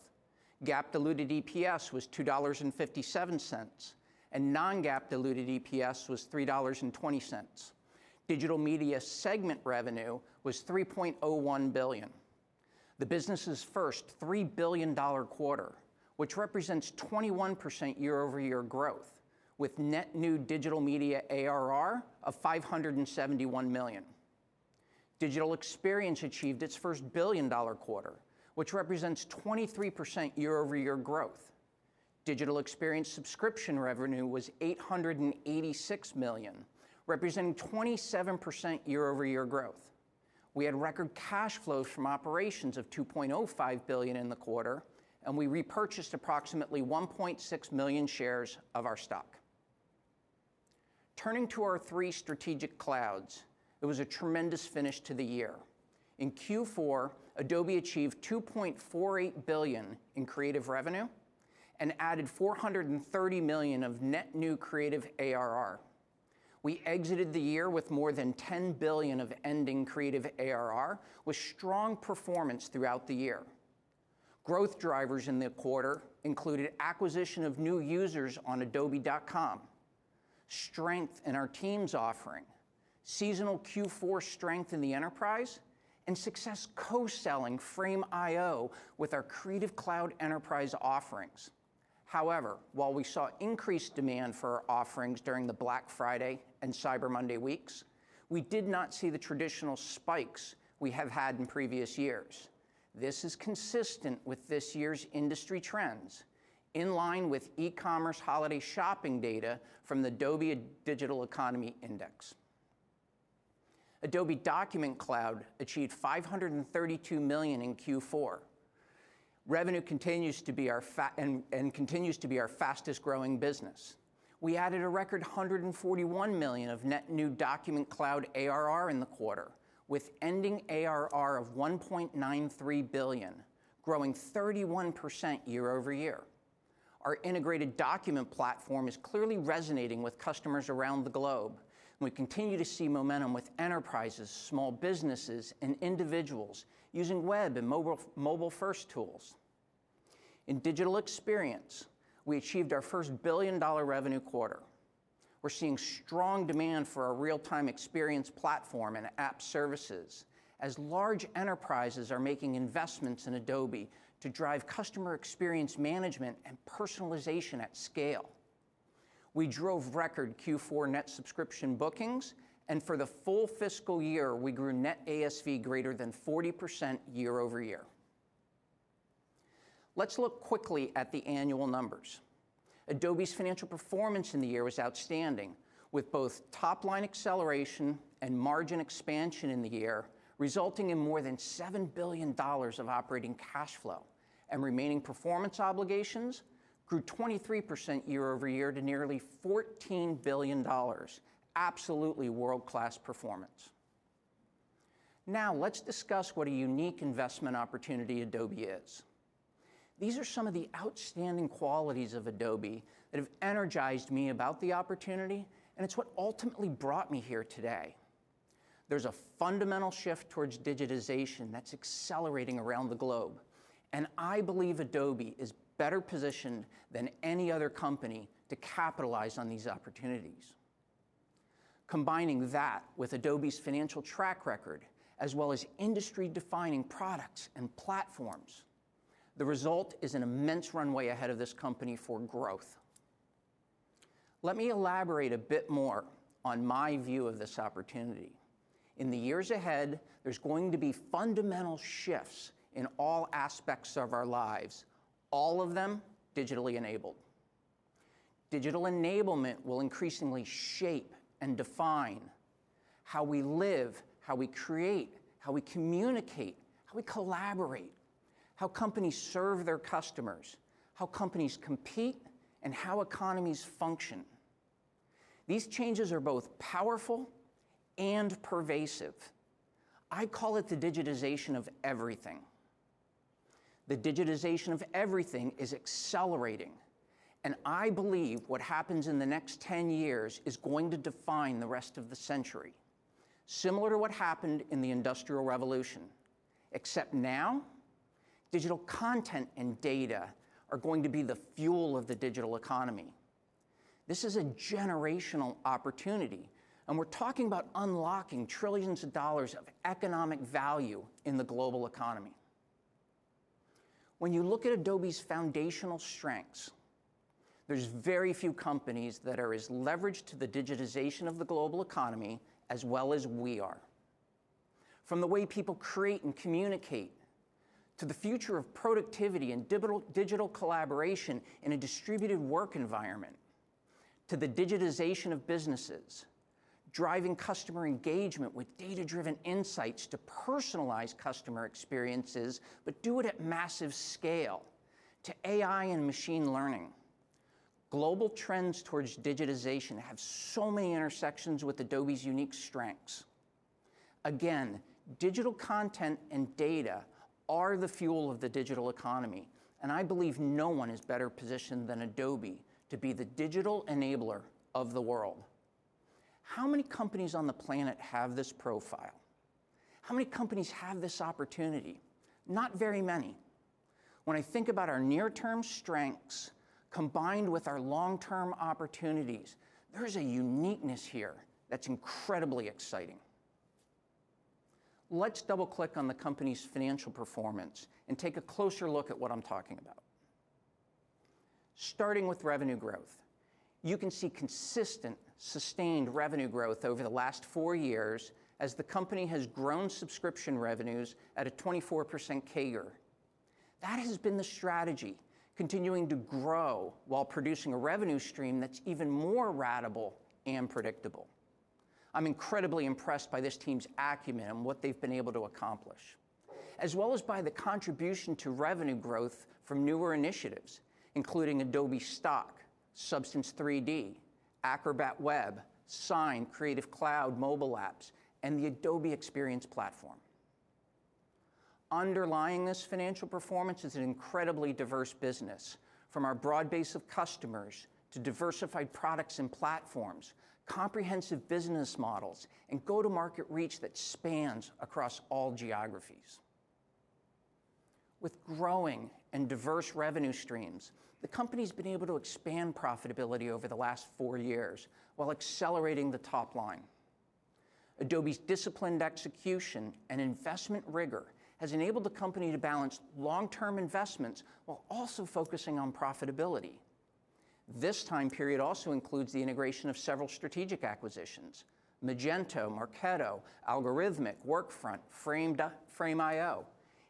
GAAP diluted EPS was $2.57, and non-GAAP diluted EPS was $3.20. Digital Media segment revenue was $3.01 billion. The business's first $3 billion quarter, which represents 21% year-over-year growth with net new Digital Media ARR of $571 million. Digital Experience achieved its first billion-dollar quarter, which represents 23% year-over-year growth. Digital Experience subscription revenue was $886 million, representing 27% year-over-year growth. We had record cash flows from operations of $2.05 billion in the quarter, and we repurchased approximately 1.6 million shares of our stock. Turning to our three strategic clouds, it was a tremendous finish to the year. In Q4, Adobe achieved $2.48 billion in creative revenue and added $430 million of net new creative ARR. We exited the year with more than $10 billion of ending creative ARR with strong performance throughout the year. Growth drivers in the quarter included acquisition of new users on adobe.com, strength in our teams offering, seasonal Q4 strength in the enterprise, and success co-selling Frame.io with our Creative Cloud enterprise offerings. However, while we saw increased demand for our offerings during the Black Friday and Cyber Monday weeks, we did not see the traditional spikes we have had in previous years. This is consistent with this year's industry trends, in line with e-commerce holiday shopping data from the Adobe Digital Economy Index. Adobe Document Cloud achieved $532 million in Q4. Revenue continues to be our fastest-growing business. We added a record $141 million of net new Document Cloud ARR in the quarter, with ending ARR of $1.93 billion, growing 31% year-over-year. Our integrated document platform is clearly resonating with customers around the globe. We continue to see momentum with enterprises, small businesses, and individuals using web and mobile-first tools. In Digital Experience, we achieved our first billion-dollar revenue quarter. We're seeing strong demand for our real-time experience platform and app services as large enterprises are making investments in Adobe to drive customer experience management and personalization at scale. We drove record Q4 net subscription bookings, and for the full fiscal year, we grew net ASV greater than 40% year-over-year. Let's look quickly at the annual numbers. Adobe's financial performance in the year was outstanding, with both top-line acceleration and margin expansion in the year resulting in more than $7 billion of operating cash flow, and remaining performance obligations grew 23% year-over-year to nearly $14 billion. Absolutely world-class performance. Now, let's discuss what a unique investment opportunity Adobe is. These are some of the outstanding qualities of Adobe that have energized me about the opportunity, and it's what ultimately brought me here today. There's a fundamental shift towards digitization that's accelerating around the globe, and I believe Adobe is better positioned than any other company to capitalize on these opportunities. Combining that with Adobe's financial track record as well as industry-defining products and platforms, the result is an immense runway ahead of this company for growth. Let me elaborate a bit more on my view of this opportunity. In the years ahead, there's going to be fundamental shifts in all aspects of our lives, all of them digitally enabled. Digital enablement will increasingly shape and define how we live, how we create, how we communicate, how we collaborate, how companies serve their customers, how companies compete, and how economies function. These changes are both powerful and pervasive. I call it the digitization of everything. The digitization of everything is accelerating, and I believe what happens in the next 10 years is going to define the rest of the century, similar to what happened in the Industrial Revolution, except now digital content and data are going to be the fuel of the digital economy. This is a generational opportunity, and we're talking about unlocking trillions of dollars of economic value in the global economy. When you look at Adobe's foundational strengths, there's very few companies that are as leveraged to the digitization of the global economy as well as we are. From the way people create and communicate to the future of productivity and digital collaboration in a distributed work environment to the digitization of businesses, driving customer engagement with data-driven insights to personalize customer experiences, but do it at massive scale to AI and machine learning. Global trends towards digitization have so many intersections with Adobe's unique strengths. Again, digital content and data are the fuel of the digital economy, and I believe no one is better positioned than Adobe to be the digital enabler of the world. How many companies on the planet have this profile? How many companies have this opportunity? Not very many. When I think about our near-term strengths combined with our long-term opportunities, there's a uniqueness here that's incredibly exciting. Let's double-click on the company's financial performance and take a closer look at what I'm talking about. Starting with revenue growth, you can see consistent sustained revenue growth over the last four years as the company has grown subscription revenues at a 24% CAGR. That has been the strategy, continuing to grow while producing a revenue stream that's even more ratable and predictable. I'm incredibly impressed by this team's acumen and what they've been able to accomplish, as well as by the contribution to revenue growth from newer initiatives, including Adobe Stock, Substance 3D, Acrobat Web, Sign, Creative Cloud, mobile apps, and the Adobe Experience Platform. Underlying this financial performance is an incredibly diverse business, from our broad base of customers to diversified products and platforms, comprehensive business models, and go-to-market reach that spans across all geographies. With growing and diverse revenue streams, the company's been able to expand profitability over the last four years while accelerating the top line. Adobe's disciplined execution and investment rigor has enabled the company to balance long-term investments while also focusing on profitability. This time period also includes the integration of several strategic acquisitions, Magento, Marketo, Allegorithmic, Workfront, Frame.io.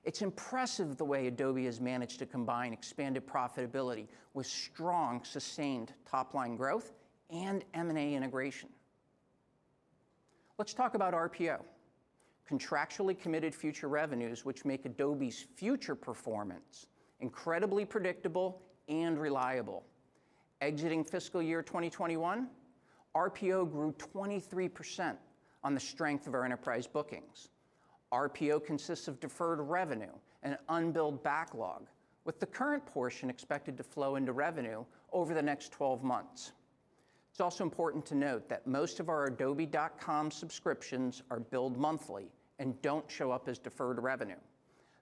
It's impressive the way Adobe has managed to combine expanded profitability with strong, sustained top-line growth and M&A integration. Let's talk about RPO, contractually committed future revenues which make Adobe's future performance incredibly predictable and reliable. Exiting fiscal year 2021, RPO grew 23% on the strength of our enterprise bookings. RPO consists of deferred revenue and unbilled backlog, with the current portion expected to flow into revenue over the next 12 months. It's also important to note that most of our adobe.com subscriptions are billed monthly and don't show up as deferred revenue.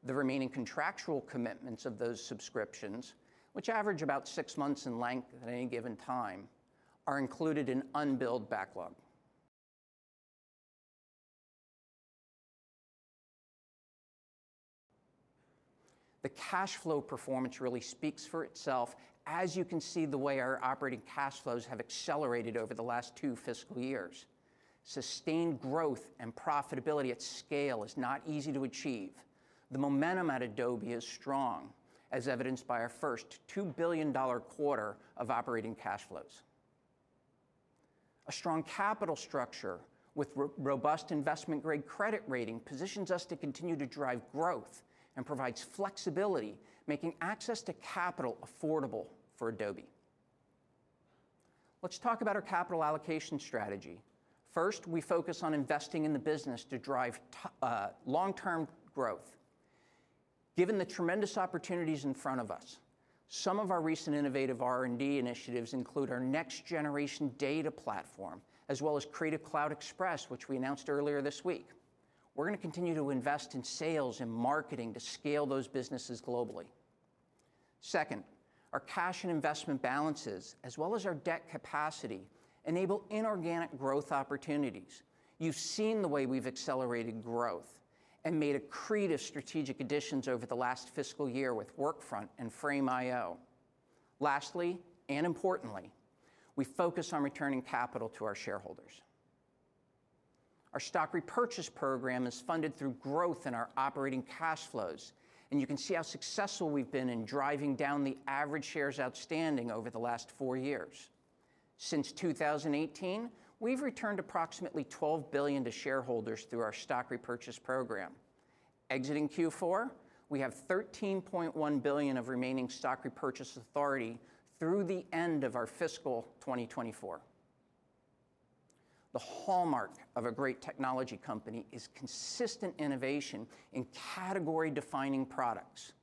The remaining contractual commitments of those subscriptions, which average about six months in length at any given time, are included in unbilled backlog. The cash flow performance really speaks for itself as you can see the way our operating cash flows have accelerated over the last two fiscal years. Sustained growth and profitability at scale is not easy to achieve. The momentum at Adobe is strong, as evidenced by our first $2 billion quarter of operating cash flows. A strong capital structure with robust investment-grade credit rating positions us to continue to drive growth and provides flexibility, making access to capital affordable for Adobe. Let's talk about our capital allocation strategy. First, we focus on investing in the business to drive long-term growth. Given the tremendous opportunities in front of us, some of our recent innovative R&D initiatives include our next generation data platform, as well as Creative Cloud Express, which we announced earlier this week. We're gonna continue to invest in sales and marketing to scale those businesses globally. Second, our cash and investment balances as well as our debt capacity enable inorganic growth opportunities. You've seen the way we've accelerated growth and made accretive strategic additions over the last fiscal year with Workfront and Frame.io. Lastly, and importantly, we focus on returning capital to our shareholders. Our stock repurchase program is funded through growth in our operating cash flows, and you can see how successful we've been in driving down the average shares outstanding over the last four years. Since 2018, we've returned approximately $12 billion to shareholders through our stock repurchase program. Exiting Q4, we have $13.1 billion of remaining stock repurchase authority through the end of our fiscal 2024. The hallmark of a great technology company is consistent innovation in category-defining products.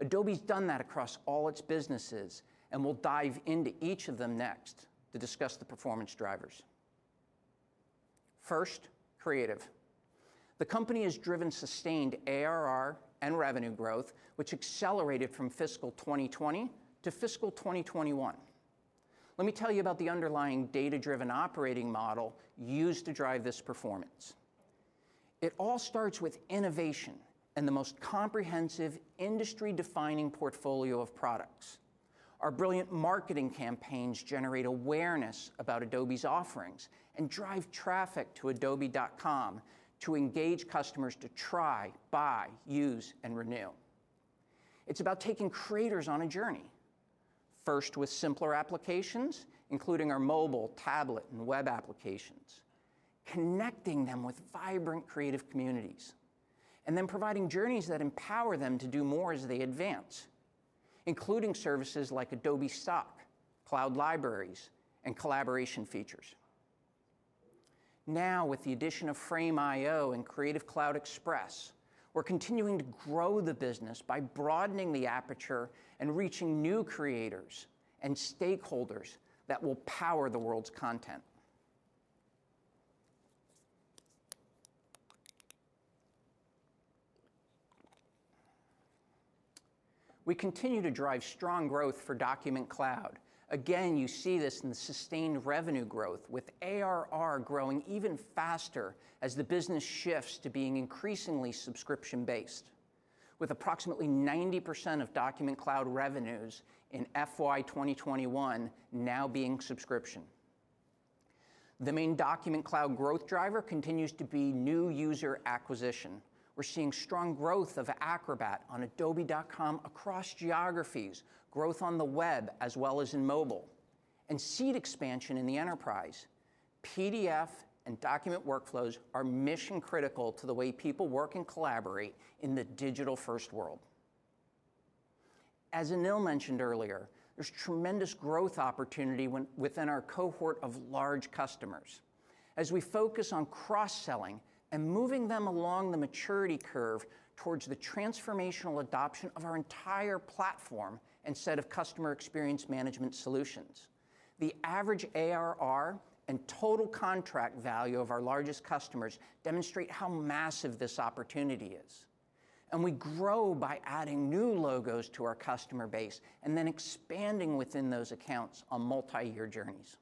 Adobe's done that across all its businesses, and we'll dive into each of them next to discuss the performance drivers. First, Creative. The company has driven sustained ARR and revenue growth, which accelerated from fiscal 2020 to fiscal 2021. Let me tell you about the underlying data-driven operating model used to drive this performance. It all starts with innovation and the most comprehensive industry-defining portfolio of products. Our brilliant marketing campaigns generate awareness about Adobe's offerings and drive traffic to adobe.com to engage customers to try, buy, use, and renew. It's about taking creators on a journey. First, with simpler applications, including our mobile, tablet, and web applications, connecting them with vibrant creative communities, and then providing journeys that empower them to do more as they advance, including services like Adobe Stock, Cloud Libraries, and collaboration features. Now, with the addition of Frame.io and Creative Cloud Express, we're continuing to grow the business by broadening the aperture and reaching new creators and stakeholders that will power the world's content. We continue to drive strong growth for Document Cloud. Again, you see this in the sustained revenue growth with ARR growing even faster as the business shifts to being increasingly subscription-based, with approximately 90% of Document Cloud revenues in FY 2021 now being subscription. The main Document Cloud growth driver continues to be new user acquisition. We're seeing strong growth of Acrobat on adobe.com across geographies, growth on the web as well as in mobile, and seed expansion in the enterprise. PDF and document workflows are mission-critical to the way people work and collaborate in the digital-first world. As Anil mentioned earlier, there's tremendous growth opportunity within our cohort of large customers as we focus on cross-selling and moving them along the maturity curve towards the transformational adoption of our entire platform and set of customer experience management solutions. The average ARR and total contract value of our largest customers demonstrate how massive this opportunity is, and we grow by adding new logos to our customer base and then expanding within those accounts on multi-year journeys.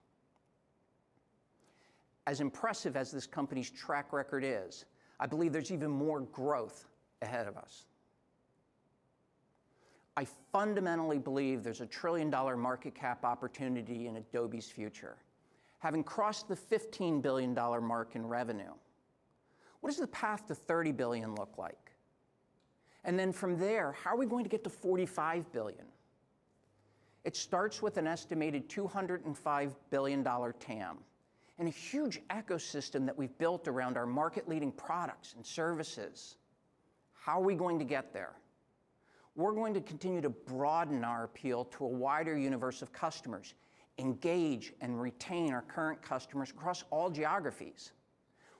As impressive as this company's track record is, I believe there's even more growth ahead of us. I fundamentally believe there's a $1 trillion market cap opportunity in Adobe's future. Having crossed the $15 billion mark in revenue, what does the path to $30 billion look like? From there, how are we going to get to $45 billion? It starts with an estimated $205 billion TAM and a huge ecosystem that we've built around our market-leading products and services. How are we going to get there? We're going to continue to broaden our appeal to a wider universe of customers, engage and retain our current customers across all geographies.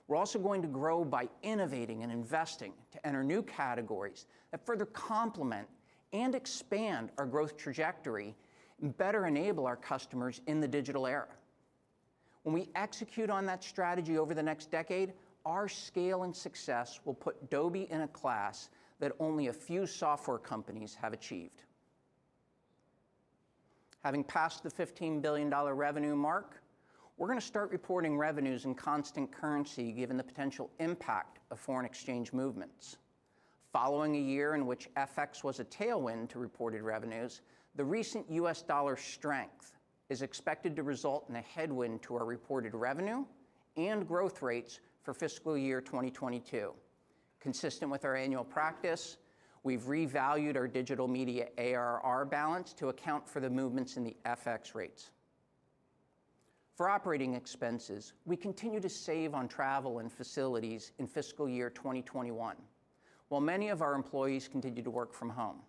We're also going to grow by innovating and investing to enter new categories that further complement and expand our growth trajectory and better enable our customers in the digital era. When we execute on that strategy over the next decade, our scale and success will put Adobe in a class that only a few software companies have achieved. Having passed the $15 billion revenue mark, we're gonna start reporting revenues in constant currency, given the potential impact of foreign exchange movements. Following a year in which FX was a tailwind to reported revenues, the recent U.S. dollar strength is expected to result in a headwind to our reported revenue and growth rates for fiscal year 2022. Consistent with our annual practice, we've revalued our digital media ARR balance to account for the movements in the FX rates. For operating expenses, we continue to save on travel and facilities in fiscal year 2021 while many of our employees continue to work from home.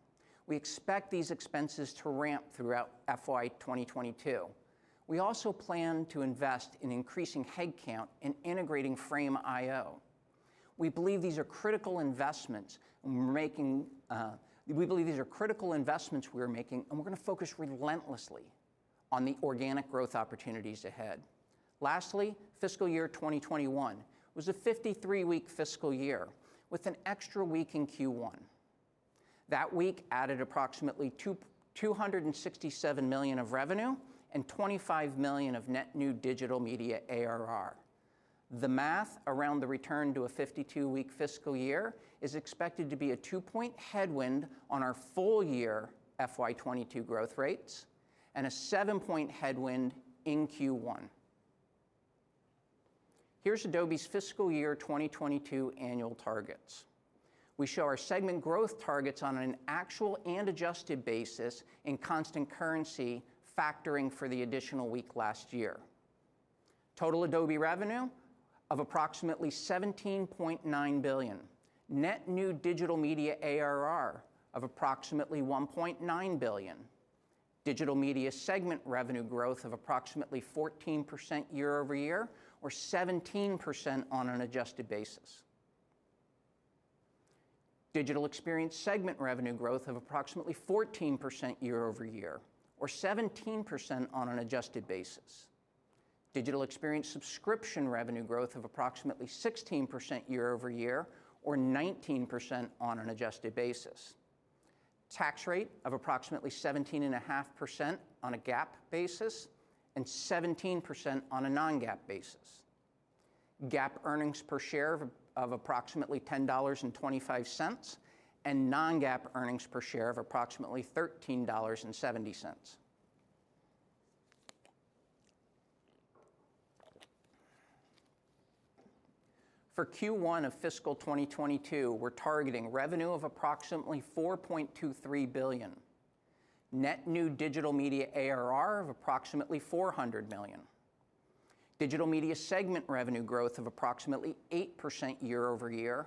We expect these expenses to ramp throughout FY 2022. We also plan to invest in increasing head count and integrating Frame.io. We believe these are critical investments we are making, and we're gonna focus relentlessly on the organic growth opportunities ahead. Lastly, fiscal year 2021 was a 53-week fiscal year with an extra week in Q1. That week added approximately $267 million of revenue and $25 million of net new digital media ARR. The math around the return to a 52-week fiscal year is expected to be a 2-point headwind on our full year FY 2022 growth rates and a 7-point headwind in Q1. Here's Adobe's fiscal year 2022 annual targets. We show our segment growth targets on an actual and adjusted basis in constant currency, factoring for the additional week last year. Total Adobe revenue of approximately $17.9 billion. Net new digital media ARR of approximately $1.9 billion. Digital Media segment revenue growth of approximately 14% year-over-year or 17% on an adjusted basis. Digital Experience segment revenue growth of approximately 14% year-over-year or 17% on an adjusted basis. Digital Experience subscription revenue growth of approximately 16% year-over-year or 19% on an adjusted basis. Tax rate of approximately 17.5% on a GAAP basis and 17% on a non-GAAP basis. GAAP earnings per share of approximately $10.25 and non-GAAP earnings per share of approximately $13.70. For Q1 of fiscal 2022, we're targeting revenue of approximately $4.23 billion. Net new digital media ARR of approximately $400 million. Digital Media segment revenue growth of approximately 8% year-over-year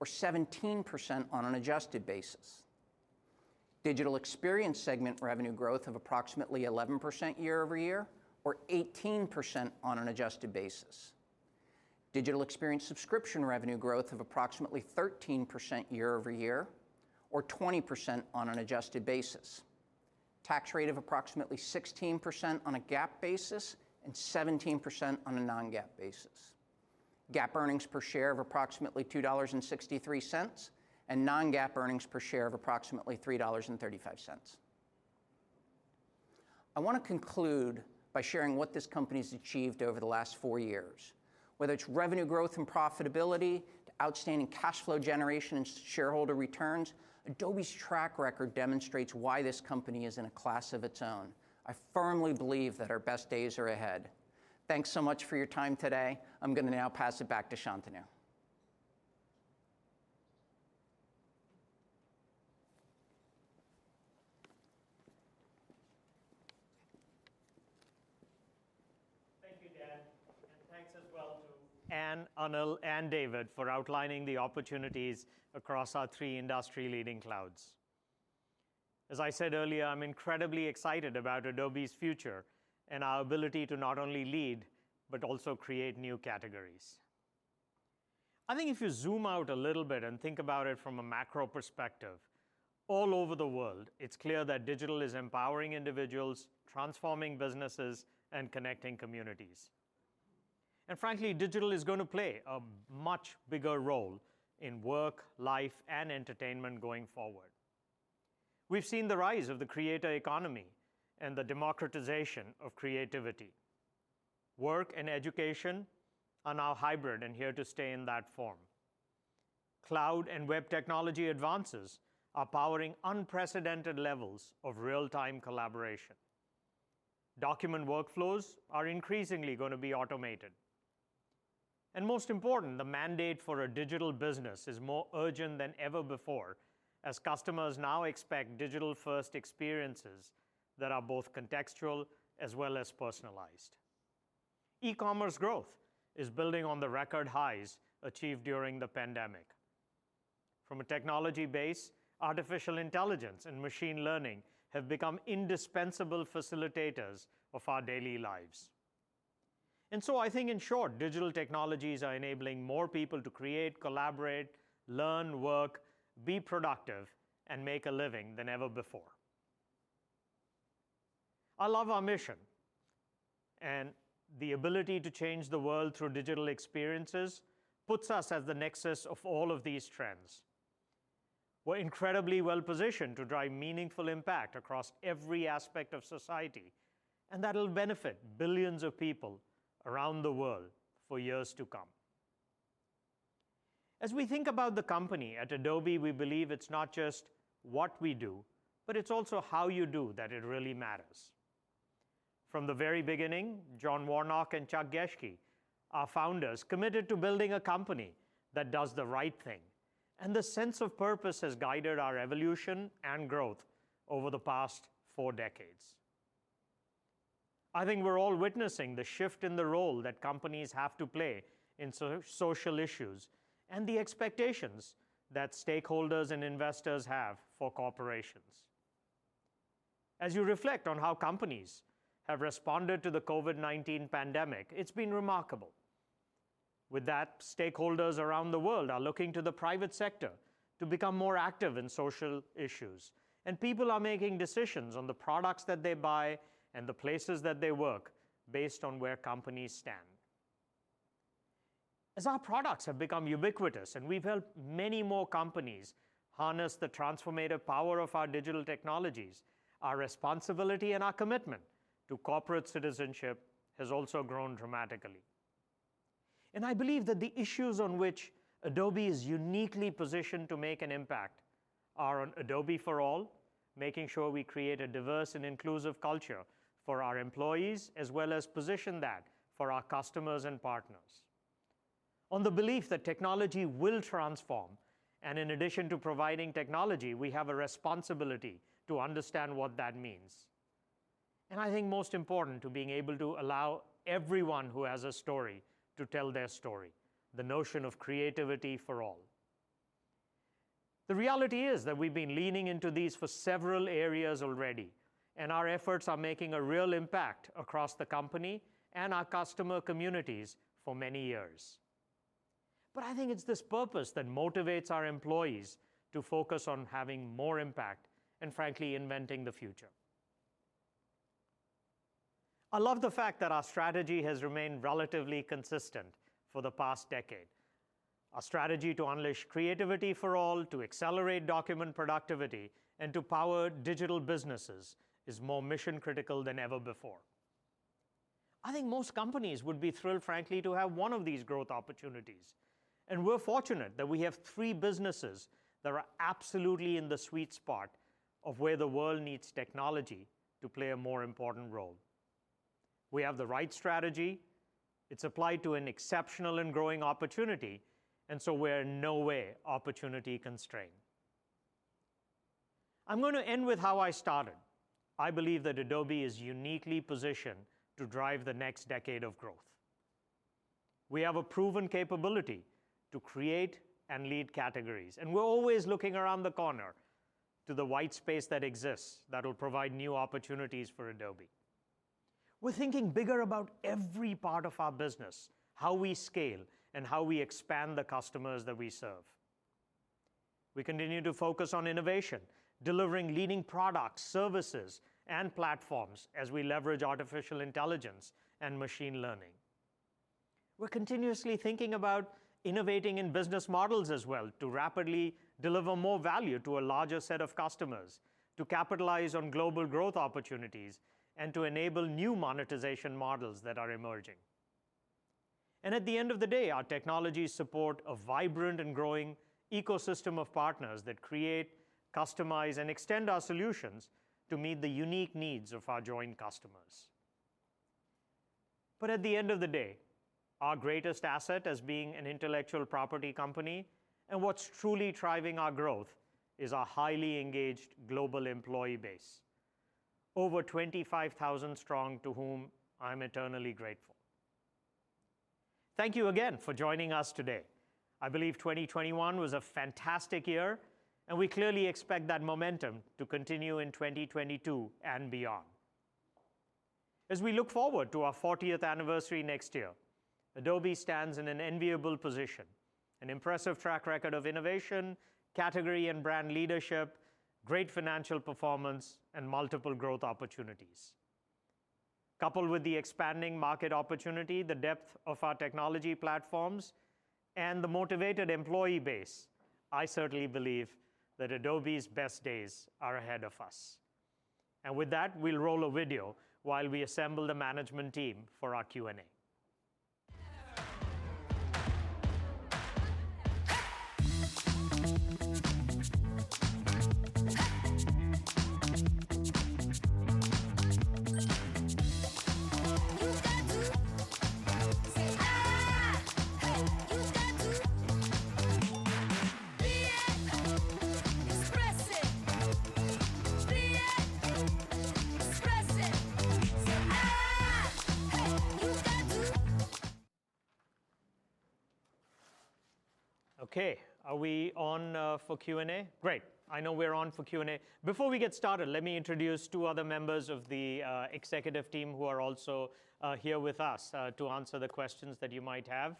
or 17% on an adjusted basis. Digital Experience segment revenue growth of approximately 11% year-over-year or 18% on an adjusted basis. Digital Experience subscription revenue growth of approximately 13% year-over-year or 20% on an adjusted basis. Tax rate of approximately 16% on a GAAP basis and 17% on a non-GAAP basis. GAAP earnings per share of approximately $2.63 and non-GAAP earnings per share of approximately $3.35. I wanna conclude by sharing what this company's achieved over the last 4 years, whether it's revenue growth and profitability to outstanding cash flow generation and shareholder returns. Adobe's track record demonstrates why this company is in a class of its own. I firmly believe that our best days are ahead. Thanks so much for your time today. I'm gonna now pass it back to Shantanu. Thank you, Dan Durn, and thanks as well to Ann Lewnes, Anil Chakravarthy, and David Wadhwani for outlining the opportunities across our three industry-leading clouds. As I said earlier, I'm incredibly excited about Adobe's future and our ability to not only lead but also create new categories. I think if you zoom out a little bit and think about it from a macro perspective, all over the world it's clear that digital is empowering individuals, transforming businesses, and connecting communities. Frankly, digital is gonna play a much bigger role in work, life, and entertainment going forward. We've seen the rise of the creator economy and the democratization of creativity. Work and education are now hybrid and here to stay in that form. Cloud and web technology advances are powering unprecedented levels of real-time collaboration. Document workflows are increasingly gonna be automated. Most important, the mandate for a digital business is more urgent than ever before as customers now expect digital-first experiences that are both contextual as well as personalized. E-commerce growth is building on the record highs achieved during the pandemic. From a technology base, artificial intelligence and machine learning have become indispensable facilitators of our daily lives. I think in short, digital technologies are enabling more people to create, collaborate, learn, work, be productive, and make a living than ever before. I love our mission, and the ability to change the world through digital experiences puts us at the nexus of all of these trends. We're incredibly well-positioned to drive meaningful impact across every aspect of society, and that'll benefit billions of people around the world for years to come. As we think about the company, at Adobe, we believe it's not just what we do, but it's also how we do it that really matters. From the very beginning, John Warnock and Chuck Geschke, our founders, committed to building a company that does the right thing, and the sense of purpose has guided our evolution and growth over the past four decades. I think we're all witnessing the shift in the role that companies have to play in social issues and the expectations that stakeholders and investors have for corporations. As you reflect on how companies have responded to the COVID-19 pandemic, it's been remarkable. With that, stakeholders around the world are looking to the private sector to become more active in social issues, and people are making decisions on the products that they buy and the places that they work based on where companies stand. As our products have become ubiquitous and we've helped many more companies harness the transformative power of our digital technologies, our responsibility and our commitment to corporate citizenship has also grown dramatically. I believe that the issues on which Adobe is uniquely positioned to make an impact are on Adobe for All, making sure we create a diverse and inclusive culture for our employees, as well as position that for our customers and partners. On the belief that technology will transform, and in addition to providing technology, we have a responsibility to understand what that means. I think most important to being able to allow everyone who has a story to tell their story, the notion of Creativity for All. The reality is that we've been leaning into these for several areas already, and our efforts are making a real impact across the company and our customer communities for many years. I think it's this purpose that motivates our employees to focus on having more impact and frankly inventing the future. I love the fact that our strategy has remained relatively consistent for the past decade. Our strategy to unleash Creativity for All, to accelerate document productivity, and to power digital businesses is more mission-critical than ever before. I think most companies would be thrilled, frankly, to have one of these growth opportunities, and we're fortunate that we have three businesses that are absolutely in the sweet spot of where the world needs technology to play a more important role. We have the right strategy. It's applied to an exceptional and growing opportunity, and so we're in no way opportunity-constrained. I'm gonna end with how I started. I believe that Adobe is uniquely positioned to drive the next decade of growth. We have a proven capability to create and lead categories, and we're always looking around the corner to the white space that exists that will provide new opportunities for Adobe. We're thinking bigger about every part of our business, how we scale, and how we expand the customers that we serve. We continue to focus on innovation, delivering leading products, services, and platforms as we leverage artificial intelligence and machine learning. We're continuously thinking about innovating in business models as well to rapidly deliver more value to a larger set of customers, to capitalize on global growth opportunities, and to enable new monetization models that are emerging. At the end of the day, our technologies support a vibrant and growing ecosystem of partners that create, customize, and extend our solutions to meet the unique needs of our joint customers. At the end of the day, our greatest asset as being an intellectual property company and what's truly driving our growth is our highly engaged global employee base, over 25,000 strong, to whom I'm eternally grateful. Thank you again for joining us today. I believe 2021 was a fantastic year, and we clearly expect that momentum to continue in 2022 and beyond. As we look forward to our 40th anniversary next year, Adobe stands in an enviable position, an impressive track record of innovation, category and brand leadership, great financial performance, and multiple growth opportunities. Coupled with the expanding market opportunity, the depth of our technology platforms, and the motivated employee base, I certainly believe that Adobe's best days are ahead of us. With that, we'll roll a video while we assemble the management team for our Q&A. Okay. Are we on for Q&A? Great. I know we're on for Q&A. Before we get started, let me introduce two other members of the executive team who are also here with us to answer the questions that you might have.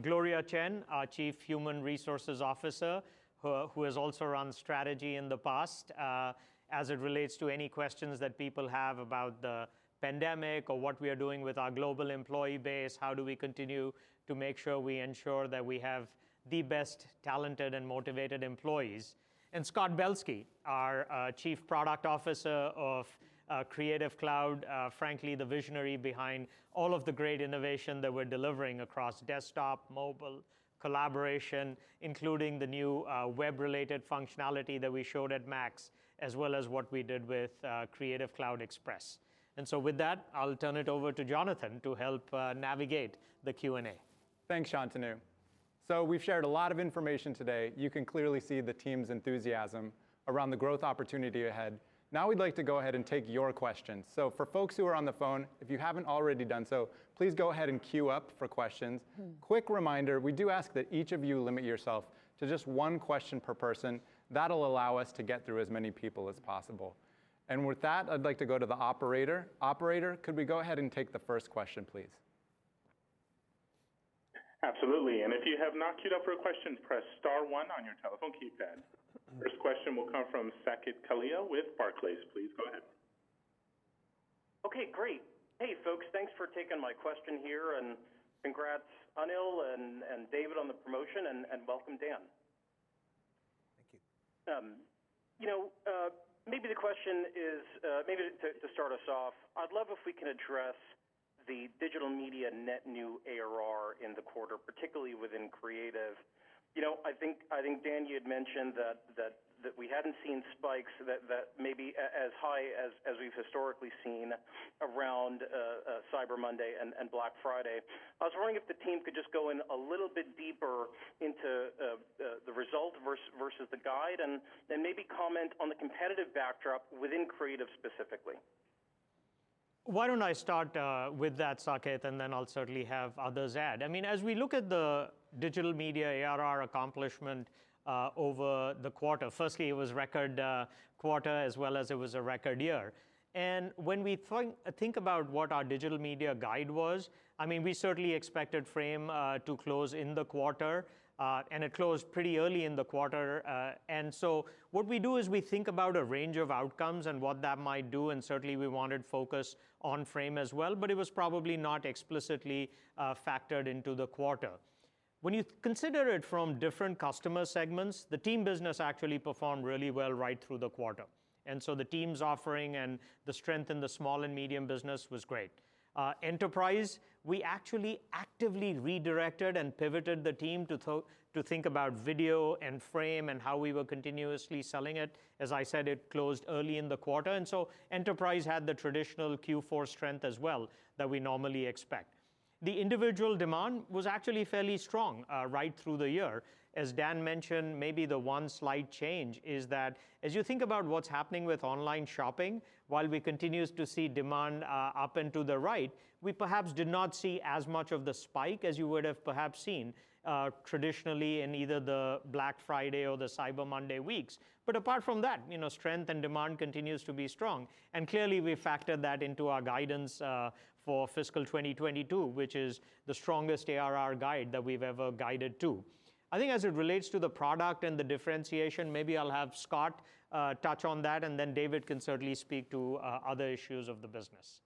Gloria Chen, our Chief Human Resources Officer, who has also run strategy in the past, as it relates to any questions that people have about the pandemic or what we are doing with our global employee base, how do we continue to make sure we ensure that we have the best talented and motivated employees. Scott Belsky, our Chief Product Officer of Creative Cloud, frankly the visionary behind all of the great innovation that we're delivering across desktop, mobile, collaboration, including the new web related functionality that we showed at MAX, as well as what we did with Creative Cloud Express. With that, I'll turn it over to Jonathan to help navigate the Q&A. Thanks, Shantanu. We've shared a lot of information today. You can clearly see the team's enthusiasm around the growth opportunity ahead. Now we'd like to go ahead and take your questions. For folks who are on the phone, if you haven't already done so, please go ahead and queue up for questions. Mm. Quick reminder, we do ask that each of you limit yourself to just one question per person. That'll allow us to get through as many people as possible. With that, I'd like to go to the operator. Operator, could we go ahead and take the first question, please? Absolutely. And if you have not queued up for a question, press star one on your telephone keypad. First question will come from Saket Kalia with Barclays. Please go ahead. Okay, great. Hey, folks. Thanks for taking my question here, and congrats Anil and David on the promotion and welcome Dan. Thank you. You know, maybe the question is maybe to start us off. I'd love if we can address the Digital Media net new ARR in the quarter, particularly within creative. You know, I think Dan Durn you had mentioned that we hadn't seen spikes that maybe as high as we've historically seen around Cyber Monday and Black Friday. I was wondering if the team could just go in a little bit deeper into the results versus the guide, and then maybe comment on the competitive backdrop within Creative specifically. Why don't I start with that, Saket, and then I'll certainly have others add. I mean, as we look at the digital media ARR accomplishment over the quarter, firstly it was record quarter as well as it was a record year. When we think about what our digital media guide was, I mean, we certainly expected Frame.io to close in the quarter, and it closed pretty early in the quarter. What we do is we think about a range of outcomes and what that might do, and certainly we wanted focus on Frame.io as well, but it was probably not explicitly factored into the quarter. When you consider it from different customer segments, the team business actually performed really well right through the quarter, and so the team's offering and the strength in the small and medium business was great. Enterprise, we actually actively redirected and pivoted the team to think about video and Frame.io and how we were continuously selling it. As I said, it closed early in the quarter. Enterprise had the traditional Q4 strength as well that we normally expect. The individual demand was actually fairly strong, right through the year. As Dan mentioned, maybe the one slight change is that as you think about what's happening with online shopping, while we continues to see demand up and to the right, we perhaps did not see as much of the spike as you would have perhaps seen traditionally in either the Black Friday or the Cyber Monday weeks. Apart from that, you know, strength and demand continues to be strong, and clearly we factored that into our guidance for fiscal 2022, which is the strongest ARR guide that we've ever guided to. I think as it relates to the product and the differentiation, maybe I'll have Scott touch on that and then David can certainly speak to other issues of the business.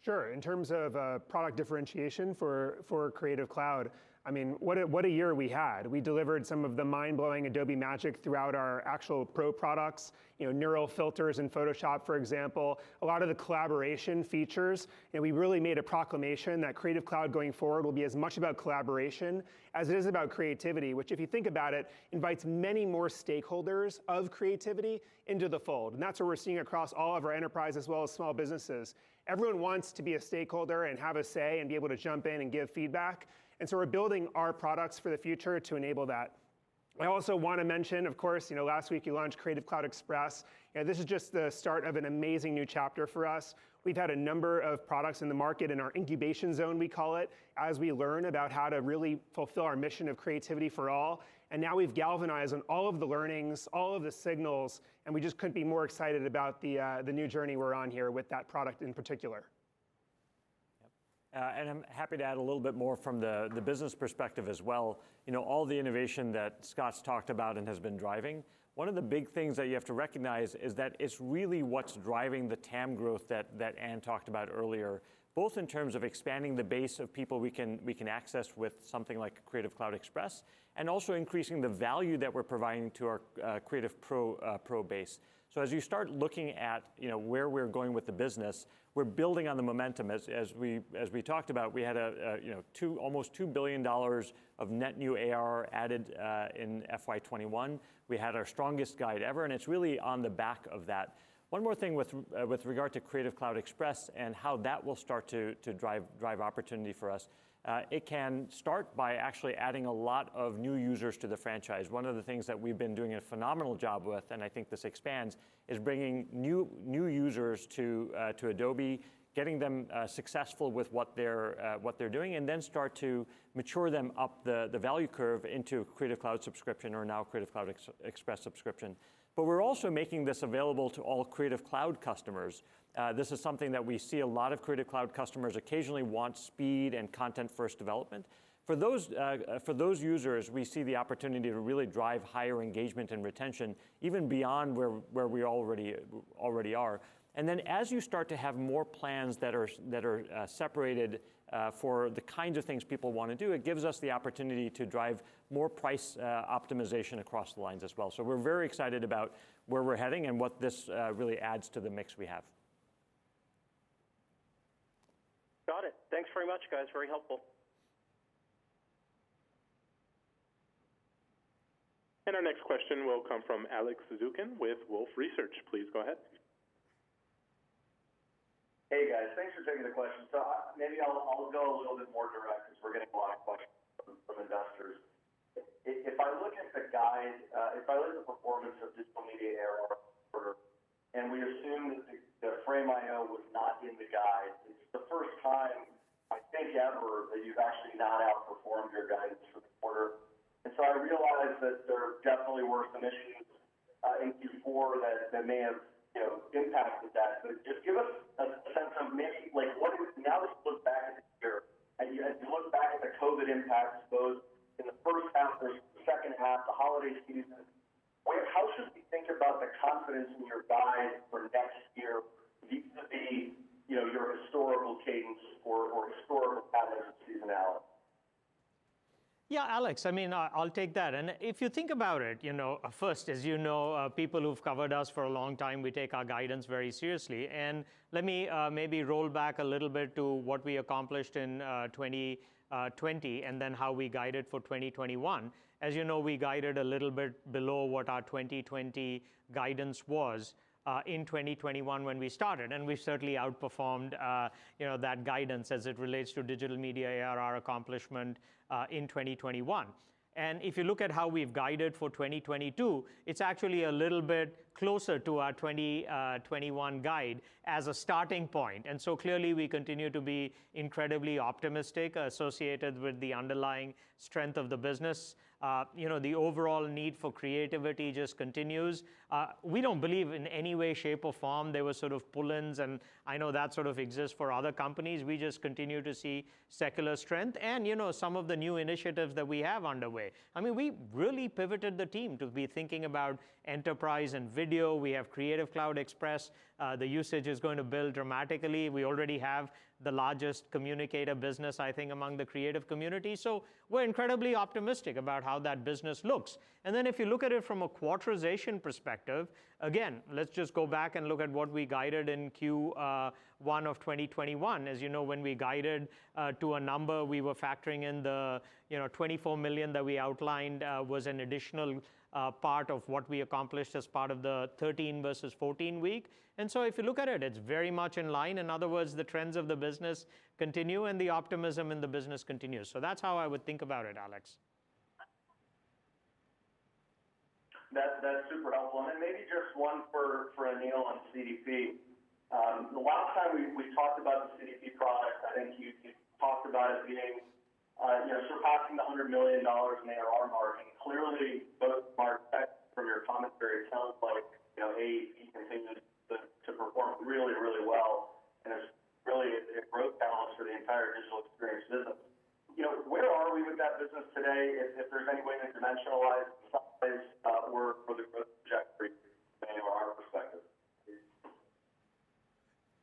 Sure. In terms of product differentiation for Creative Cloud, I mean, what a year we had. We delivered some of the mind-blowing Adobe magic throughout our actual Pro products, you know, Neural Filters in Photoshop, for example. A lot of the collaboration features, you know, we really made a proclamation that Creative Cloud going forward will be as much about collaboration as it is about creativity, which if you think about it, invites many more stakeholders of creativity into the fold. That's what we're seeing across all of our enterprise as well as small businesses. Everyone wants to be a stakeholder and have a say and be able to jump in and give feedback, and so we're building our products for the future to enable that. I also wanna mention, of course, you know, last week you launched Creative Cloud Express, and this is just the start of an amazing new chapter for us. We've had a number of products in the market in our incubation zone, we call it, as we learn about how to really fulfill our mission of Creativity for All. Now we've galvanized on all of the learnings, all of the signals, and we just couldn't be more excited about the new journey we're on here with that product in particular. I'm happy to add a little bit more from the business perspective as well. You know, all the innovation that Scott's talked about and has been driving, one of the big things that you have to recognize is that it's really what's driving the TAM growth that Ann talked about earlier, both in terms of expanding the base of people we can access with something like Creative Cloud Express, and also increasing the value that we're providing to our Creative Pro base. As you start looking at, you know, where we're going with the business, we're building on the momentum as we talked about, we had almost $2 billion of net new ARR added in FY 2021. We had our strongest guide ever, and it's really on the back of that. One more thing with regard to Creative Cloud Express and how that will start to drive opportunity for us. It can start by actually adding a lot of new users to the franchise. One of the things that we've been doing a phenomenal job with, and I think this expands, is bringing new users to Adobe, getting them successful with what they're doing, and then start to mature them up the value curve into Creative Cloud subscription or now Creative Cloud Express subscription. But we're also making this available to all Creative Cloud customers. This is something that we see a lot of Creative Cloud customers occasionally want speed and content first development. For those users, we see the opportunity to really drive higher engagement and retention even beyond where we already are. Then as you start to have more plans that are separated for the kinds of things people wanna do, it gives us the opportunity to drive more price optimization across the lines as well. We're very excited about where we're heading and what this really adds to the mix we have. Got it. Thanks very much, guys. Very helpful. Our next question will come from Alex Zukin with Wolfe Research. Please go ahead. Hey, guys. Thanks for taking the question. Maybe I'll go a little bit more direct because we're getting a lot of questions from investors. If I look at the guide, if I look at the performance of Digital Media AR for. We assume that the Frame.io was not in the guide, it's the first time, I think ever, that you've actually not outperformed your guidance for the quarter. I realize that there definitely were some issues in Q4 that may have, you know, impacted that. Just give us a sense of maybe like what is. Now let's look back at the year and you look back at the COVID impacts both in the first half versus the second half, the holiday season. How should we think about the confidence in your guide for next year vis-a-vis, you know, your historical cadence or historical patterns of seasonality? Yeah, Alex, I mean, I'll take that. If you think about it, you know, first, as you know, people who've covered us for a long time, we take our guidance very seriously. Let me maybe roll back a little bit to what we accomplished in 2020, and then how we guided for 2021. As you know, we guided a little bit below what our 2020 guidance was in 2021 when we started. We've certainly outperformed, you know, that guidance as it relates to Digital Media ARR accomplishment in 2021. If you look at how we've guided for 2022, it's actually a little bit closer to our 2021 guide as a starting point. Clearly we continue to be incredibly optimistic associated with the underlying strength of the business. You know, the overall need for creativity just continues. We don't believe in any way, shape, or form there was sort of pull-ins, and I know that sort of exists for other companies. We just continue to see secular strength and, you know, some of the new initiatives that we have underway. I mean, we really pivoted the team to be thinking about enterprise and video. We have Creative Cloud Express. The usage is going to build dramatically. We already have the largest Communicator business, I think, among the creative community. So we're incredibly optimistic about how that business looks. If you look at it from a seasonality perspective, again, let's just go back and look at what we guided in Q1 of 2021. As you know, when we guided to a number, we were factoring in the, you know, $24 million that we outlined was an additional part of what we accomplished as part of the 13 versus 14 week. If you look at it's very much in line. In other words, the trends of the business continue and the optimism in the business continues. That's how I would think about it, Alex. That's super helpful. Maybe just one for Anil on CDP. The last time we talked about the CDP product, I think you talked about it being, you know, surpassing $100 million in ARR margin. Clearly, Marketo from your commentary, it sounds like, you know, AE continues to perform really well, and it's really a growth balance for the entire Digital Experience Business. You know, where are we with that business today if there's any way to dimensionalize the size or the growth trajectory from an ARR perspective, please?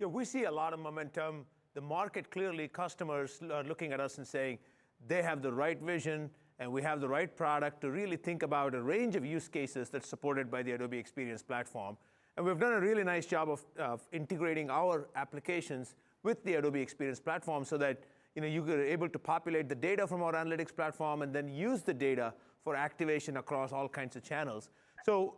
Yeah, we see a lot of momentum. The market, clearly, customers are looking at us and saying they have the right vision, and we have the right product to really think about a range of use cases that's supported by the Adobe Experience Platform. We've done a really nice job of integrating our applications with the Adobe Experience Platform so that, you know, you are able to populate the data from our analytics platform and then use the data for activation across all kinds of channels.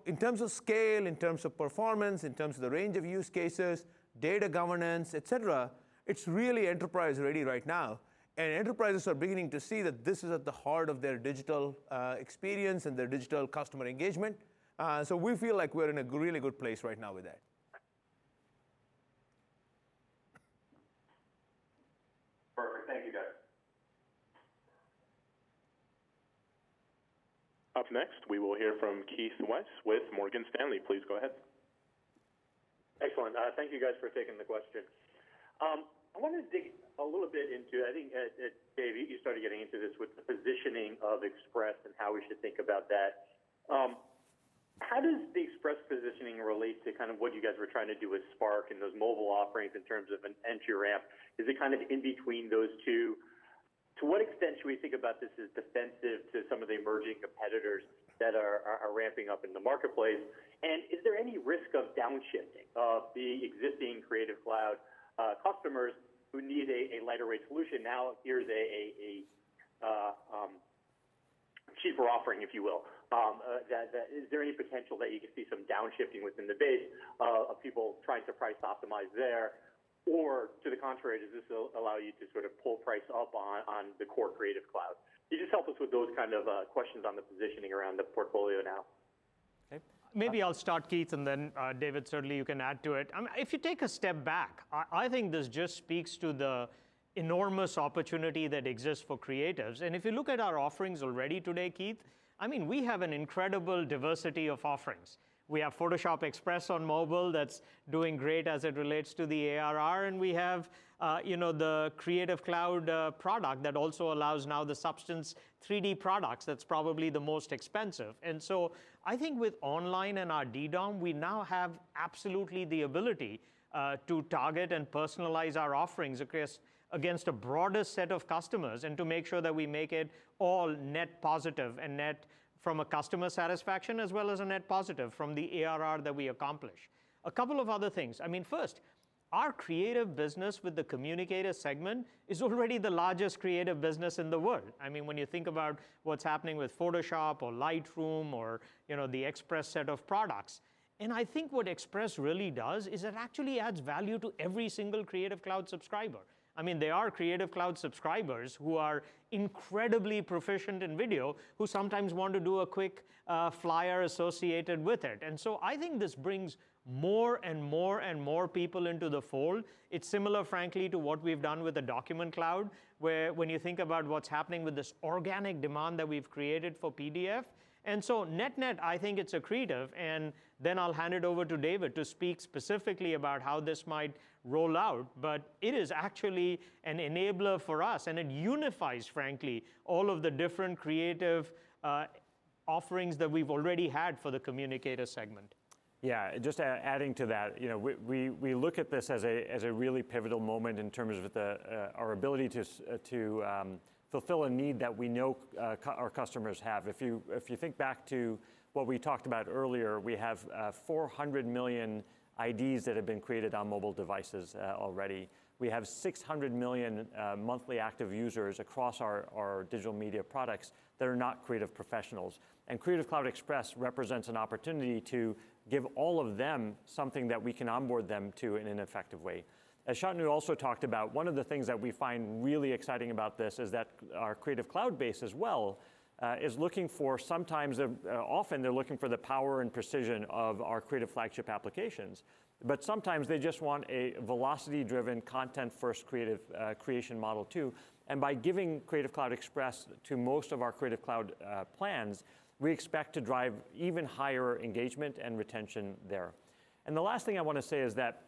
In terms of scale, in terms of performance, in terms of the range of use cases, data governance, et cetera, it's really enterprise ready right now. Enterprises are beginning to see that this is at the heart of their digital experience and their digital customer engagement. We feel like we're in a really good place right now with that. Perfect. Thank you, guys. Up next, we will hear from Keith Weiss with Morgan Stanley. Please go ahead. Excellent. Thank you guys for taking the question. I wanted to dig a little bit into, I think, Dave, you started getting into this with the positioning of Express and how we should think about that. How does the Express positioning relate to kind of what you guys were trying to do with Spark and those mobile offerings in terms of an entry ramp? Is it kind of in between those two? To what extent should we think about this as defensive to some of the emerging competitors that are ramping up in the marketplace? And is there any risk of downshifting of the existing Creative Cloud customers who need a lighter weight solution? Now here's a cheaper offering, if you will? That is there any potential that you could see some downshifting within the base of people trying to price optimize there? Or to the contrary, does this allow you to sort of pull price up on the core Creative Cloud? Can you just help us with those kind of questions on the positioning around the portfolio now? Maybe I'll start, Keith, and then, David, certainly you can add to it. If you take a step back, I think this just speaks to the enormous opportunity that exists for creatives. If you look at our offerings already today, Keith, I mean, we have an incredible diversity of offerings. We have Photoshop Express on mobile that's doing great as it relates to the ARR, and we have, you know, the Creative Cloud product that also allows now the Substance 3D products, that's probably the most expensive. I think with online and our DDOM, we now have absolutely the ability to target and personalize our offerings across against a broader set of customers and to make sure that we make it all net positive and net from a customer satisfaction, as well as a net positive from the ARR that we accomplish. A couple of other things. I mean, first, our creative business with the consumer segment is already the largest creative business in the world, I mean, when you think about what's happening with Photoshop or Lightroom or, you know, the Express set of products. I think what Express really does is it actually adds value to every single Creative Cloud subscriber. I mean, there are Creative Cloud subscribers who are incredibly proficient in video, who sometimes want to do a quick flyer associated with it. I think this brings more and more and more people into the fold. It's similar, frankly, to what we've done with the Document Cloud, where when you think about what's happening with this organic demand that we've created for PDF. Net-net, I think it's accretive, and then I'll hand it over to David to speak specifically about how this might roll out. It is actually an enabler for us, and it unifies, frankly, all of the different creative offerings that we've already had for the communicator segment. Yeah, just adding to that, you know, we look at this as a really pivotal moment in terms of our ability to fulfill a need that we know our customers have. If you think back to what we talked about earlier, we have 400 million IDs that have been created on mobile devices already. We have 600 million monthly active users across our digital media products that are not creative professionals. Creative Cloud Express represents an opportunity to give all of them something that we can onboard them to in an effective way. As Shantanu also talked about, one of the things that we find really exciting about this is that our Creative Cloud base as well is looking for sometimes a often they're looking for the power and precision of our creative flagship applications. Sometimes they just want a velocity driven, content first creative creation model too. By giving Creative Cloud Express to most of our Creative Cloud plans, we expect to drive even higher engagement and retention there. The last thing I wanna say is that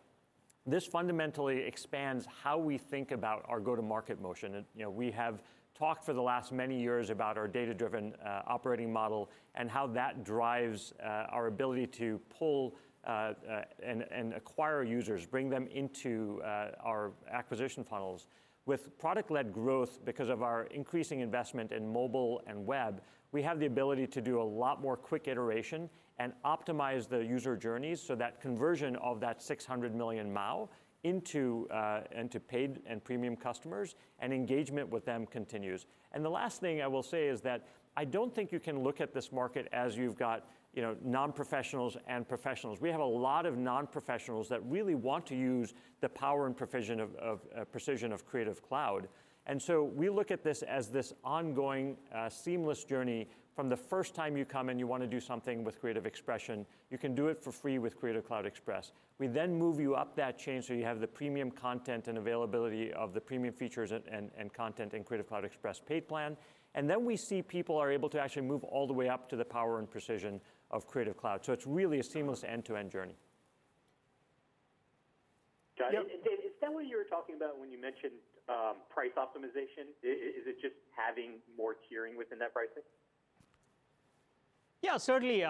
this fundamentally expands how we think about our go-to-market motion. You know, we have talked for the last many years about our data-driven operating model and how that drives our ability to pull and acquire users, bring them into our acquisition funnels. With product-led growth, because of our increasing investment in mobile and web, we have the ability to do a lot more quick iteration and optimize the user journeys so that conversion of that 600 million MAU into paid and premium customers and engagement with them continues. The last thing I will say is that I don't think you can look at this market as you've got, you know, non-professionals and professionals. We have a lot of non-professionals that really want to use the power and precision of Creative Cloud. We look at this as this ongoing seamless journey from the first time you come and you wanna do something with creative expression, you can do it for free with Creative Cloud Express. We then move you up that chain so you have the premium content and availability of the premium features and content in Creative Cloud Express paid plan. Then we see people are able to actually move all the way up to the power and precision of Creative Cloud. It's really a seamless end-to-end journey. Shantanu, is that what you were talking about when you mentioned price optimization? Is it just having more tiering within that pricing? Yeah, certainly,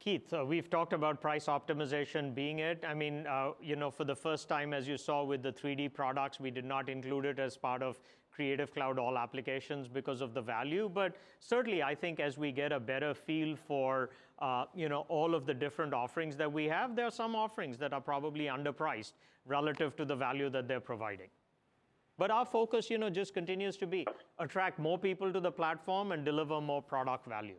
Keith, we've talked about price optimization being it. I mean, you know, for the first time, as you saw with the 3D products, we did not include it as part of Creative Cloud all applications because of the value. Certainly, I think as we get a better feel for, you know, all of the different offerings that we have, there are some offerings that are probably underpriced relative to the value that they're providing. Our focus, you know, just continues to be attract more people to the platform and deliver more product value.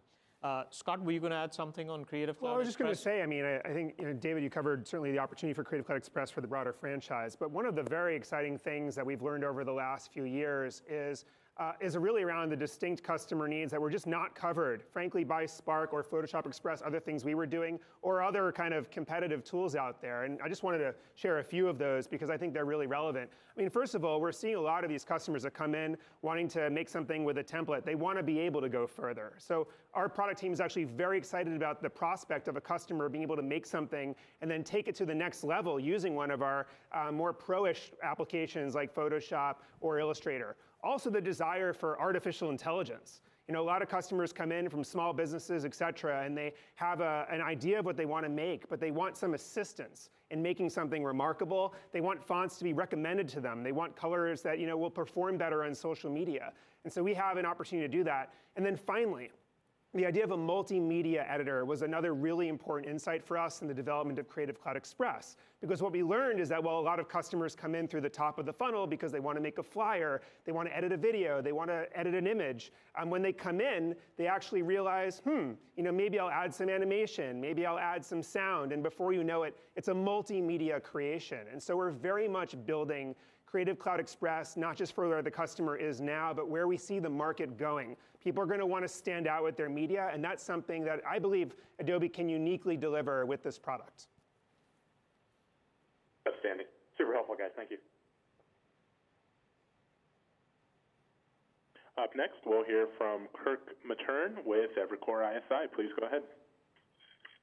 Scott, were you gonna add something on Creative Cloud Express? Well, I was just gonna say, I mean, I think, you know, David, you covered certainly the opportunity for Creative Cloud Express for the broader franchise. But one of the very exciting things that we've learned over the last few years is really around the distinct customer needs that were just not covered, frankly, by Spark or Photoshop Express, other things we were doing, or other kind of competitive tools out there. I just wanted to share a few of those because I think they're really relevant. I mean, first of all, we're seeing a lot of these customers that come in wanting to make something with a template. They wanna be able to go further. Our product team is actually very excited about the prospect of a customer being able to make something and then take it to the next level using one of our more pro-ish applications like Photoshop or Illustrator. Also, the desire for artificial intelligence. You know, a lot of customers come in from small businesses, et cetera, and they have an idea of what they wanna make, but they want some assistance in making something remarkable. They want fonts to be recommended to them. They want colors that, you know, will perform better on social media. And so we have an opportunity to do that. Then finally, the idea of a multimedia editor was another really important insight for us in the development of Creative Cloud Express. Because what we learned is that while a lot of customers come in through the top of the funnel because they wanna make a flyer, they wanna edit a video, they wanna edit an image, when they come in, they actually realize, "Hmm, you know, maybe I'll add some animation. Maybe I'll add some sound." And before you know it's a multimedia creation. We're very much building Creative Cloud Express, not just for where the customer is now, but where we see the market going. People are gonna wanna stand out with their media, and that's something that I believe Adobe can uniquely deliver with this product. Outstanding. Super helpful guys. Thank you. Up next, we'll hear from Kirk Materne with Evercore ISI. Please go ahead.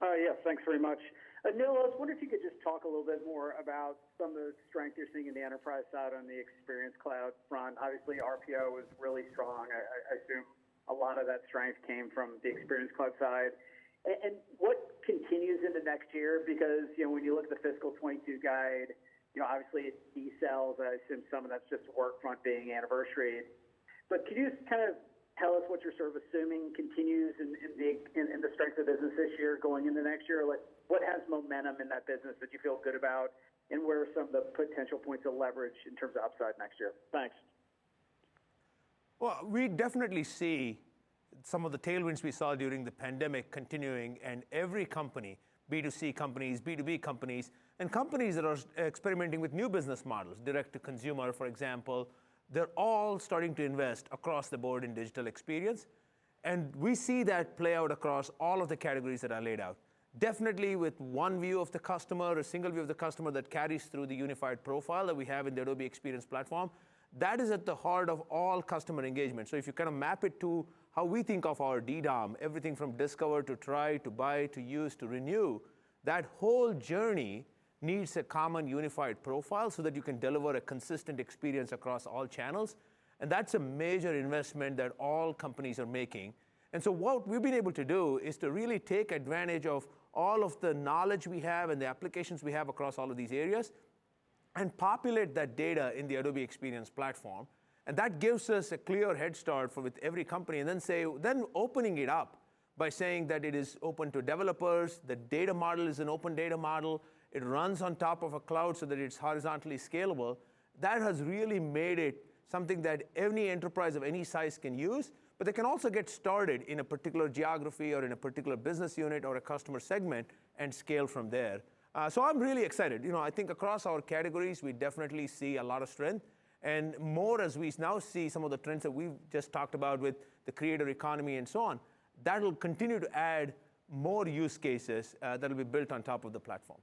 Yes, thanks very much. Anil, I was wondering if you could just talk a little bit more about some of the strength you're seeing in the enterprise side on the Experience Cloud front. Obviously, RPO was really strong. I assume a lot of that strength came from the Experience Cloud side. And what continues into next year? Because, you know, when you look at the fiscal 2022 guide, you know, obviously it decelerates. I assume some of that's just Workfront being anniversary. But could you just kind of tell us what you're sort of assuming continues in the strength of the business this year going into next year? Like, what has momentum in that business that you feel good about, and where are some of the potential points of leverage in terms of upside next year? Thanks. Well, we definitely see some of the tailwinds we saw during the pandemic continuing, and every company, B2C companies, B2B companies, and companies that are experimenting with new business models, direct to consumer, for example, they're all starting to invest across the board in digital experience. We see that play out across all of the categories that I laid out. Definitely with one view of the customer, a single view of the customer that carries through the unified profile that we have in the Adobe Experience Platform, that is at the heart of all customer engagement. If you kind of map it to how we think of our DDOM, everything from discover, to try, to buy, to use, to renew, that whole journey needs a common unified profile, so that you can deliver a consistent experience across all channels, and that's a major investment that all companies are making. What we've been able to do is to really take advantage of all of the knowledge we have and the applications we have across all of these areas and populate that data in the Adobe Experience Platform, and that gives us a clear head start with every company. Opening it up by saying that it is open to developers, the data model is an open data model, it runs on top of a cloud so that it's horizontally scalable. That has really made it something that any enterprise of any size can use, but they can also get started in a particular geography or in a particular business unit or a customer segment and scale from there. I'm really excited. You know, I think across all categories, we definitely see a lot of strength and more as we now see some of the trends that we've just talked about with the creator economy and so on. That'll continue to add more use cases, that'll be built on top of the platform.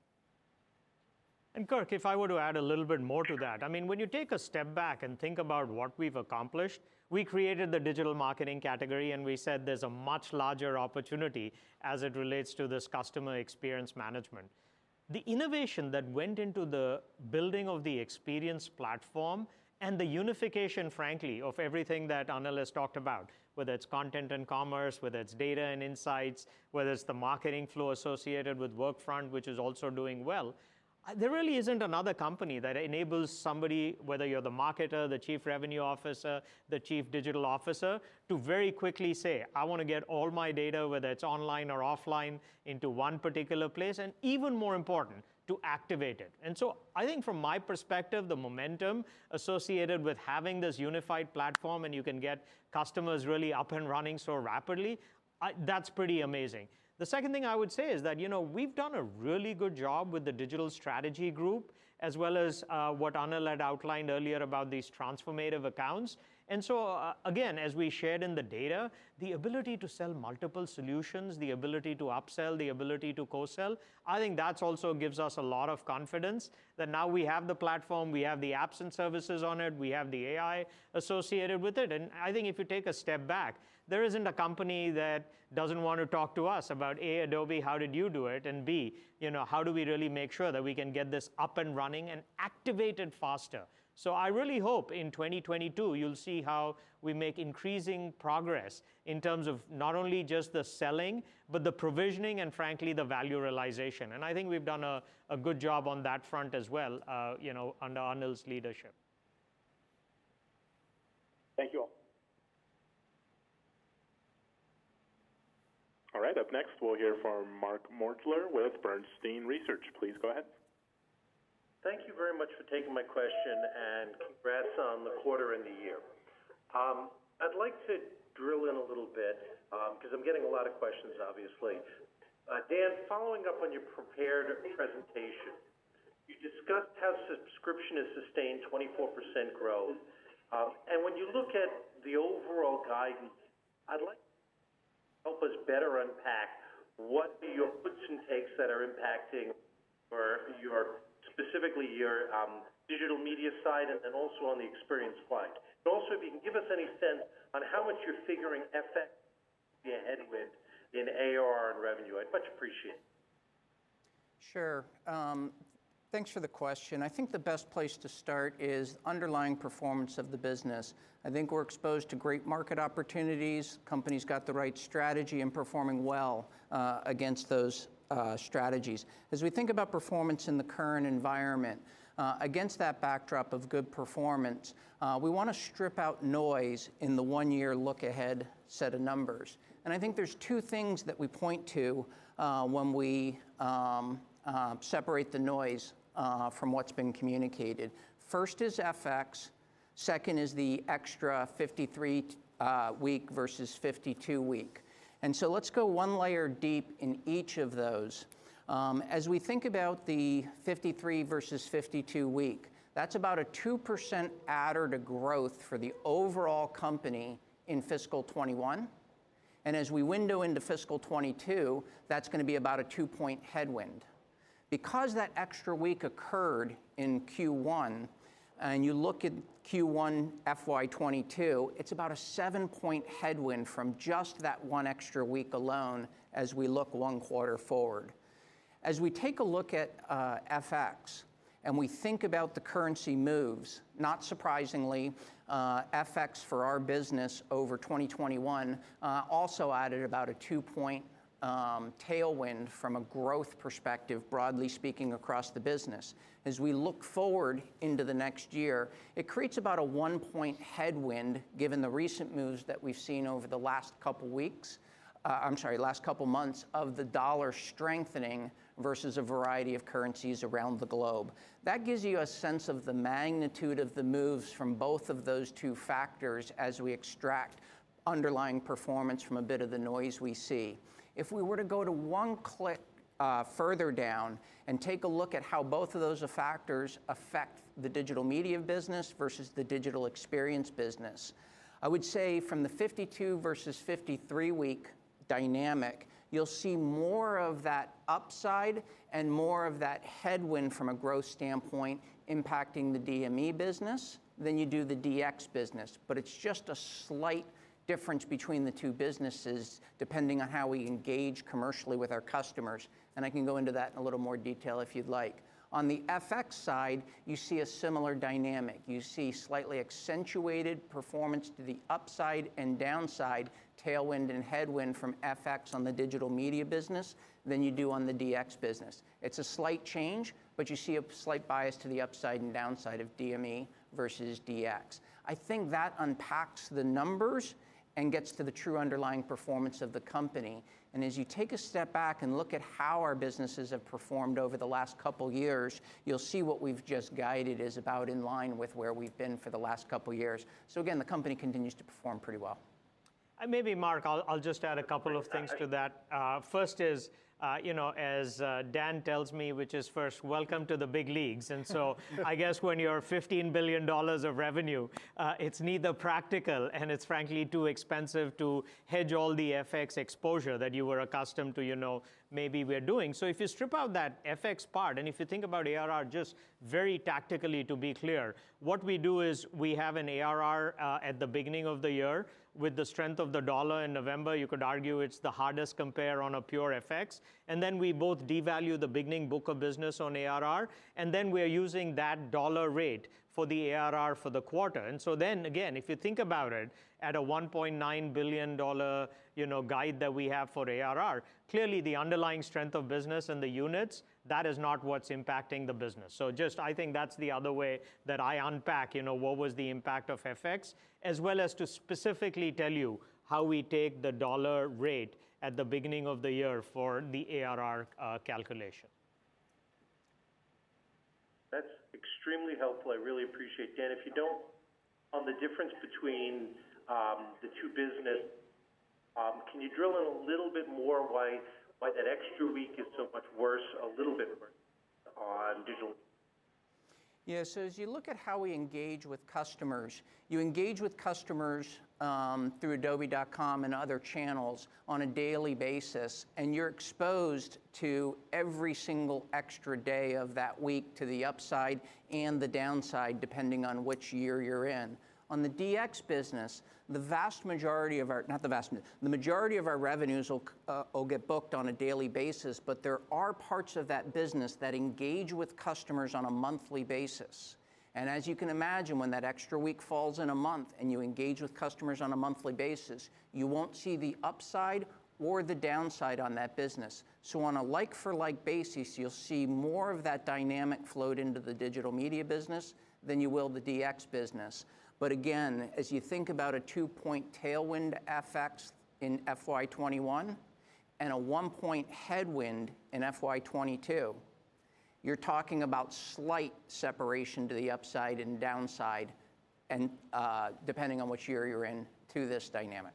Kirk, if I were to add a little bit more to that, I mean, when you take a step back and think about what we've accomplished, we created the digital marketing category, and we said there's a much larger opportunity as it relates to this customer experience management. The innovation that went into the building of the Experience Platform and the unification, frankly, of everything that Anil has talked about, whether it's content and commerce, whether it's data and insights, whether it's the marketing flow associated with Workfront, which is also doing well, there really isn't another company that enables somebody, whether you're the marketer, the chief revenue officer, the chief digital officer, to very quickly say, "I want to get all my data, whether it's online or offline, into one particular place," and even more important, to activate it. I think from my perspective, the momentum associated with having this unified platform, and you can get customers really up and running so rapidly, that's pretty amazing. The second thing I would say is that, you know, we've done a really good job with the Digital Strategy Group, as well as, what Anil had outlined earlier about these transformative accounts. Again, as we shared in the data, the ability to sell multiple solutions, the ability to upsell, the ability to cross-sell, I think that's also gives us a lot of confidence that now we have the platform, we have the apps and services on it, we have the AI associated with it. I think if you take a step back, there isn't a company that doesn't want to talk to us about, A, Adobe, how did you do it, and B, you know, how do we really make sure that we can get this up and running and activated faster? I really hope in 2022 you'll see how we make increasing progress in terms of not only just the selling, but the provisioning and frankly the value realization. I think we've done a good job on that front as well, you know, under Anil's leadership. Thank you all. All right. Up next, we'll hear from Mark Moerdler with Bernstein Research. Please go ahead. Thank you very much for taking my question, and congrats on the quarter and the year. I'd like to drill in a little bit, 'cause I'm getting a lot of questions, obviously. Dan Durn, following up on your prepared presentation, you discussed how subscription has sustained 24% growth. When you look at the overall guidance, I'd like help us better unpack what are your puts and takes that are impacting for your, specifically your, digital media side and then also on the Experience front. Also, if you can give us any sense on how much you're figuring FX be a headwind in ARR and revenue, I'd much appreciate it. Sure. Thanks for the question. I think the best place to start is underlying performance of the business. I think we're exposed to great market opportunities. Company's got the right strategy and performing well against those strategies. As we think about performance in the current environment against that backdrop of good performance, we wanna strip out noise in the one-year look ahead set of numbers. I think there's two things that we point to when we separate the noise from what's been communicated. First is FX, second is the extra 53-week versus 52-week. Let's go one layer deep in each of those. As we think about the 53 versus 52 week, that's about a 2% adder to growth for the overall company in fiscal 2021. As we window into fiscal 2022, that's gonna be about a 2-point headwind because that extra week occurred in Q1 and you look at Q1 FY 2022, it's about a 7-point headwind from just that one extra week alone as we look one quarter forward. As we take a look at FX and we think about the currency moves, not surprisingly, FX for our business over 2021 also added about a 2-point tailwind from a growth perspective, broadly speaking, across the business. As we look forward into the next year, it creates about a 1-point headwind given the recent moves that we've seen over the last couple weeks, I'm sorry, last couple months, of the dollar strengthening versus a variety of currencies around the globe. That gives you a sense of the magnitude of the moves from both of those two factors as we extract underlying performance from a bit of the noise we see. If we were to go to one click, further down and take a look at how both of those factors affect the digital media business versus the digital experience business, I would say from the 52 versus 53 week dynamic, you'll see more of that upside and more of that headwind from a growth standpoint impacting the DME business than you do the DX business. It's just a slight difference between the two businesses, depending on how we engage commercially with our customers, and I can go into that in a little more detail if you'd like. On the FX side, you see a similar dynamic. You see slightly accentuated performance to the upside and downside tailwind and headwind from FX on the digital media business than you do on the DX business. It's a slight change, but you see a slight bias to the upside and downside of DME versus DX. I think that unpacks the numbers and gets to the true underlying performance of the company. As you take a step back and look at how our businesses have performed over the last couple years, you'll see what we've just guided is about in line with where we've been for the last couple years. The company continues to perform pretty well. Maybe, Mark, I'll just add a couple of things to that. First, as Dan tells me, welcome to the big leagues. I guess when you're $15 billion of revenue, it's neither practical, and it's frankly too expensive to hedge all the FX exposure that you were accustomed to, maybe we're doing. If you strip out that FX part, and if you think about ARR just very tactically to be clear, what we do is we have an ARR at the beginning of the year. With the strength of the dollar in November, you could argue it's the hardest compare on a pure FX. Then we both devalue the beginning book of business on ARR, and then we're using that dollar rate for the ARR for the quarter. If you think about it, at a $1.9 billion, you know, guide that we have for ARR, clearly the underlying strength of business and the units, that is not what's impacting the business. Just I think that's the other way that I unpack, you know, what was the impact of FX, as well as to specifically tell you how we take the dollar rate at the beginning of the year for the ARR calculation. That's extremely helpful. I really appreciate. Dan, on the difference between the two businesses, can you drill in a little bit more why that extra week is so much worse, a little bit more on digital? Yeah. As you look at how we engage with customers, you engage with customers, through adobe.com and other channels on a daily basis, and you're exposed to every single extra day of that week to the upside and the downside, depending on which year you're in. On the DX business, the majority of our revenues will get booked on a daily basis, but there are parts of that business that engage with customers on a monthly basis. As you can imagine, when that extra week falls in a month and you engage with customers on a monthly basis, you won't see the upside or the downside on that business. On a like for like basis, you'll see more of that dynamic float into the digital media business than you will the DX business. Again, as you think about a 2-point tailwind FX in FY 2021 and a 1-point headwind in FY 2022, you're talking about slight separation to the upside and downside and, depending on which year you're in to this dynamic.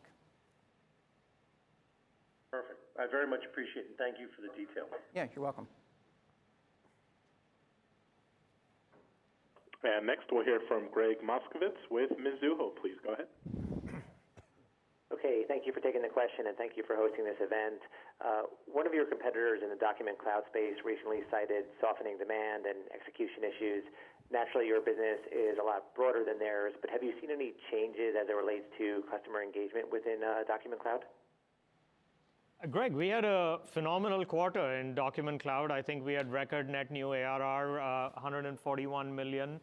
Perfect. I very much appreciate it. Thank you for the detail. Yeah, you're welcome. Next, we'll hear from Gregg Moskowitz with Mizuho, please go ahead. Okay, thank you for taking the question, and thank you for hosting this event. One of your competitors in the Document Cloud space recently cited softening demand and execution issues. Naturally, your business is a lot broader than theirs, but have you seen any changes as it relates to customer engagement within Document Cloud? Gregg, we had a phenomenal quarter in Document Cloud. I think we had record net new ARR. $141 million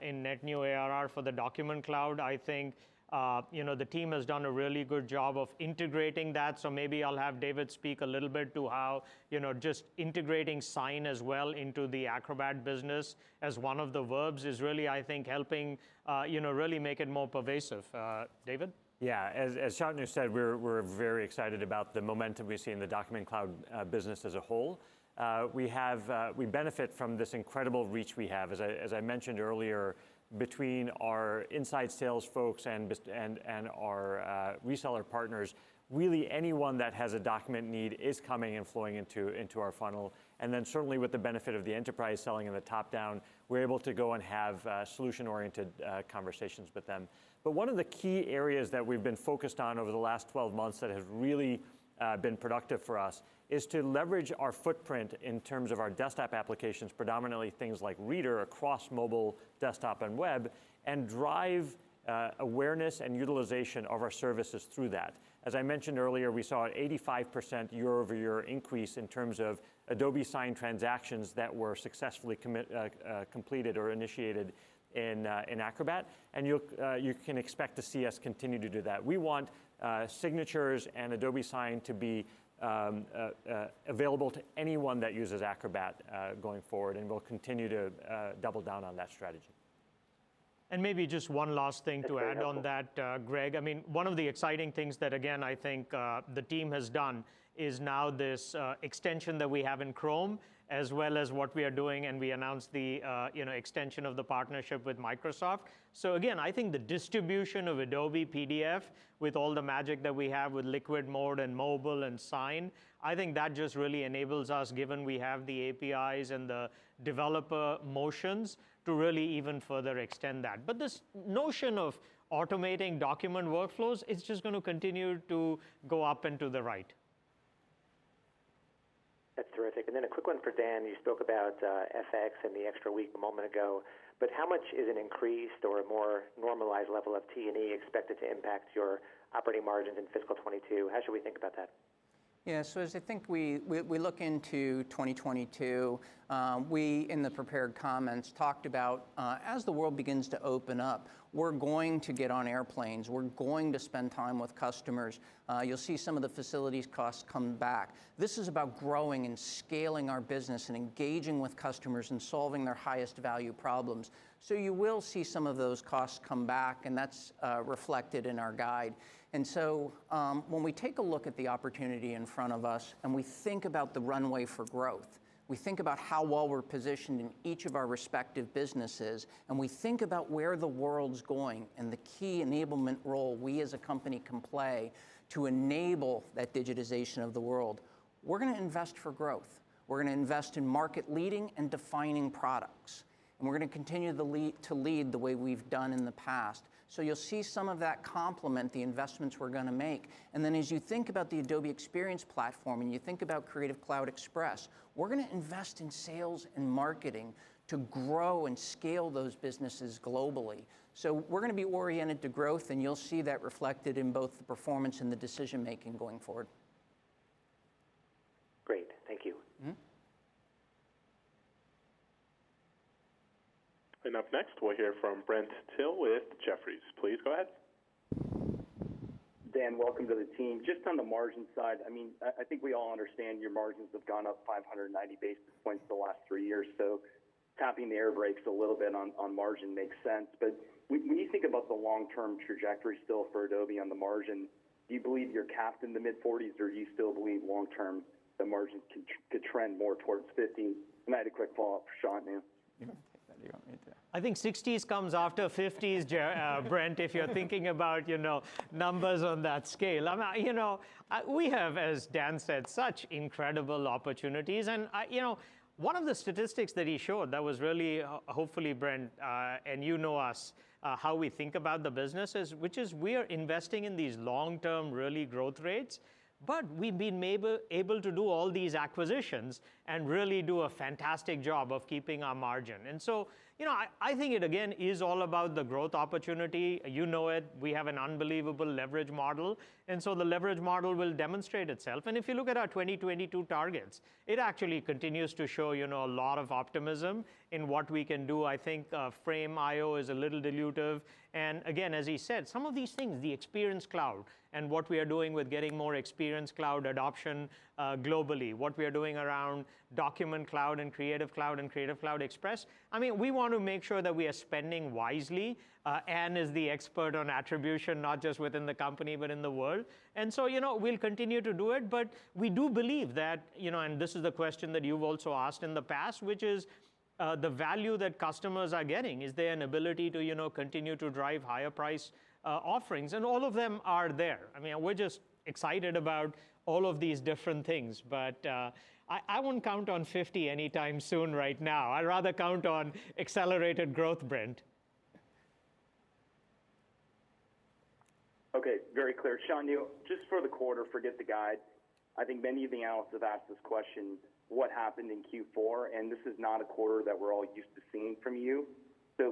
in net new ARR for the Document Cloud. I think, you know, the team has done a really good job of integrating that, so maybe I'll have David speak a little bit to how, you know, just integrating Sign as well into the Acrobat business as one of the verbs is really, I think, helping, you know, really make it more pervasive. David? Yeah. As Shantanu said, we're very excited about the momentum we see in the Document Cloud business as a whole. We benefit from this incredible reach we have, as I mentioned earlier, between our inside sales folks and our reseller partners. Really anyone that has a document need is coming and flowing into our funnel. Then certainly with the benefit of the enterprise selling and the top down, we're able to go and have solution-oriented conversations with them. One of the key areas that we've been focused on over the last 12 months that has really been productive for us is to leverage our footprint in terms of our desktop applications, predominantly things like Reader, across mobile, desktop, and web, and drive awareness and utilization of our services through that. As I mentioned earlier, we saw an 85% year-over-year increase in terms of Adobe Sign transactions that were successfully completed or initiated in Acrobat. You can expect to see us continue to do that. We want signatures and Adobe Sign to be available to anyone that uses Acrobat going forward, and we'll continue to double down on that strategy. Maybe just one last thing to add on that, Gregg. I mean, one of the exciting things that, again, I think, the team has done is now this, extension that we have in Chrome, as well as what we are doing, and we announced the, you know, extension of the partnership with Microsoft. Again, I think the distribution of Adobe PDF with all the magic that we have with Liquid Mode and Mobile and Sign, I think that just really enables us, given we have the APIs and the developer motions, to really even further extend that. This notion of automating document workflows is just gonna continue to go up and to the right. That's terrific. A quick one for Dan. You spoke about FX and the extra week a moment ago, but how much is an increased or a more normalized level of T&E expected to impact your operating margins in fiscal 2022? How should we think about that? As I think we look into 2022, we, in the prepared comments, talked about as the world begins to open up, we're going to get on airplanes. We're going to spend time with customers. You'll see some of the facilities costs come back. This is about growing and scaling our business and engaging with customers and solving their highest value problems, so you will see some of those costs come back, and that's reflected in our guide. When we take a look at the opportunity in front of us and we think about the runway for growth, we think about how well we're positioned in each of our respective businesses, and we think about where the world's going and the key enablement role we as a company can play to enable that digitization of the world, we're gonna invest for growth. We're gonna invest in market leading and defining products, and we're gonna continue to lead the way we've done in the past. You'll see some of that complement the investments we're gonna make. As you think about the Adobe Experience Platform and you think about Creative Cloud Express, we're gonna invest in sales and marketing to grow and scale those businesses globally. We're gonna be oriented to growth, and you'll see that reflected in both the performance and the decision-making going forward. Great. Thank you. Mm-hmm. Up next, we'll hear from Brent Thill with Jefferies. Please go ahead. Dan, welcome to the team. Just on the margin side, I mean, I think we all understand your margins have gone up 590 basis points the last three years, so tapping the air brakes a little bit on margin makes sense. But when you think about the long-term trajectory still for Adobe on the margin, do you believe you're capped in the mid-forties or do you still believe long-term the margins can trend more towards 50? I had a quick follow-up for Shantanu. You can take that. Do you want me to? I think sixties comes after fifties, Brent, if you're thinking about, you know, numbers on that scale. You know, we have, as Dan said, such incredible opportunities. You know, one of the statistics that he showed that was really, hopefully, Brent, and you know us, how we think about the business is, which is we're investing in these long-term really growth rates, but we've been able to do all these acquisitions and really do a fantastic job of keeping our margin. You know, I think it, again, is all about the growth opportunity. You know it. We have an unbelievable leverage model, and so the leverage model will demonstrate itself. If you look at our 2022 targets, it actually continues to show, you know, a lot of optimism in what we can do. I think Frame.io is a little dilutive. Again, as he said, some of these things, the Experience Cloud and what we are doing with getting more Experience Cloud adoption, globally, what we are doing around Document Cloud and Creative Cloud and Creative Cloud Express, I mean, we want to make sure that we are spending wisely. Ann is the expert on attribution, not just within the company, but in the world. So, you know, we'll continue to do it, but we do believe that, you know, and this is a question that you've also asked in the past, which is, the value that customers are getting. Is there an ability to, you know, continue to drive higher price, offerings? All of them are there. I mean, we're just excited about all of these different things. I wouldn't count on 50 anytime soon right now. I'd rather count on accelerated growth, Brent. Okay. Very clear. Shantanu, just for the quarter, forget the guide. I think many of the analysts have asked this question, what happened in Q4? This is not a quarter that we're all used to seeing from you.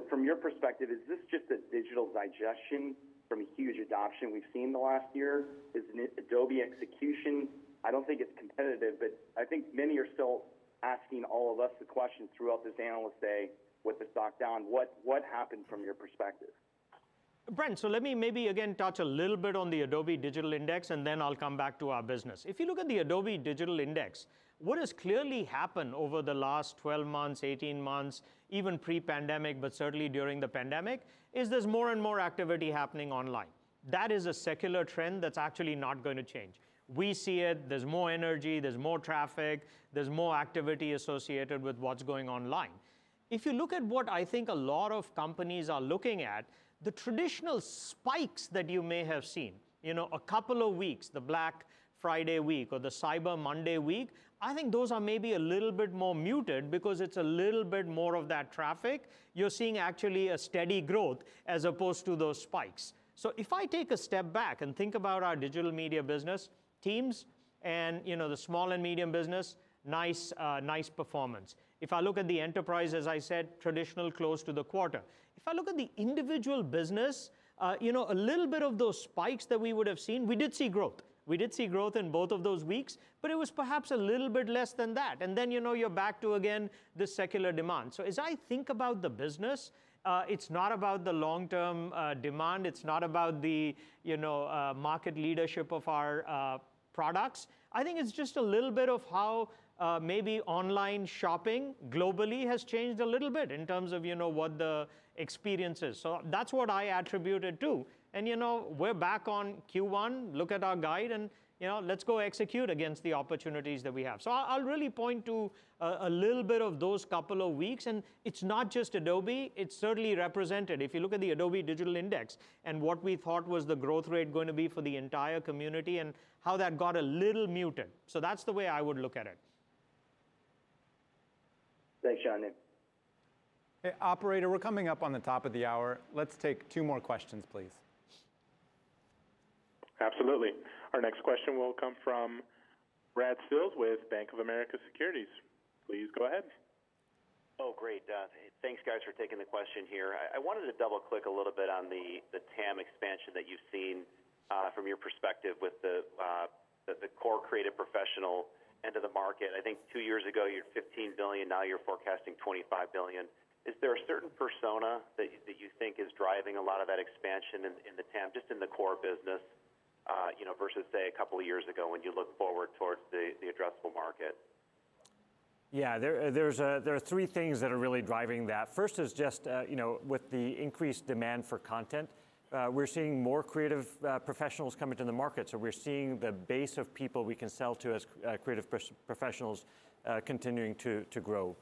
From your perspective, is this just a digital digestion from huge adoption we've seen in the last year? Is it Adobe execution? I don't think it's competitive, but I think many are still asking all of us the question throughout this analyst day with the stock down, what happened from your perspective? Brent, let me maybe again touch a little bit on the Adobe Digital Economy Index, and then I'll come back to our business. If you look at the Adobe Digital Economy Index, what has clearly happened over the last 12 months, 18 months, even pre-pandemic, but certainly during the pandemic, is there's more and more activity happening online. That is a secular trend that's actually not going to change. We see it, there's more energy, there's more traffic, there's more activity associated with what's going online. If you look at what I think a lot of companies are looking at, the traditional spikes that you may have seen, you know, a couple of weeks, the Black Friday week or the Cyber Monday week, I think those are maybe a little bit more muted because it's a little bit more of that traffic. You're seeing actually a steady growth as opposed to those spikes. If I take a step back and think about our Digital Media business teams and, you know, the small and medium business, nice performance. If I look at the Enterprise, as I said, traditional, close to the quarter. If I look at the individual business, you know, a little bit of those spikes that we would have seen. We did see growth in both of those weeks, but it was perhaps a little bit less than that. Then, you know, you're back to again, the secular demand. As I think about the business, it's not about the long-term demand. It's not about the, you know, market leadership of our products. I think it's just a little bit of how maybe online shopping globally has changed a little bit in terms of, you know, what the experience is. That's what I attribute it to. You know, we're back on Q1, look at our guide and, you know, let's go execute against the opportunities that we have. I'll really point to a little bit of those couple of weeks, and it's not just Adobe, it's certainly represented. If you look at the Adobe Digital Index and what we thought was the growth rate going to be for the entire community and how that got a little muted. That's the way I would look at it. Thanks, Shantanu. Okay. Operator, we're coming up on the top of the hour. Let's take two more questions, please. Absolutely. Our next question will come from Brad Sills with Bank of America Securities. Please go ahead. Oh, great. Thanks guys for taking the question here. I wanted to double click a little bit on the TAM expansion that you've seen from your perspective with the core creative professional end of the market. I think 2 years ago, you were $15 billion, now you're forecasting $25 billion. Is there a certain persona that you think is driving a lot of that expansion in the TAM, just in the core business, you know, versus say a couple of years ago when you look forward towards the addressable market? There are three things that are really driving that. First is just, you know, with the increased demand for content, we're seeing more creative professionals coming to the market. We're seeing the base of people we can sell to as creative professionals continuing to grow.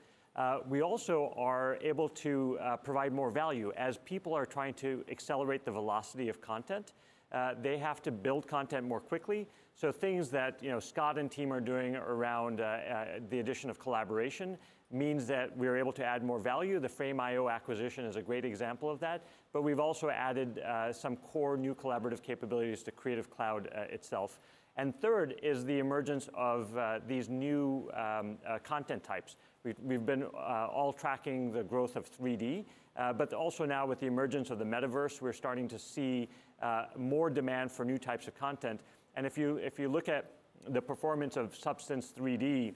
We also are able to provide more value. As people are trying to accelerate the velocity of content, they have to build content more quickly. Things that, you know, Scott and team are doing around the addition of collaboration means that we're able to add more value. The Frame.io acquisition is a great example of that. We've also added some core new collaborative capabilities to Creative Cloud itself. Third is the emergence of these new content types. We've been all tracking the growth of 3D, but also now with the emergence of the metaverse, we're starting to see more demand for new types of content. If you look at the performance of Substance 3D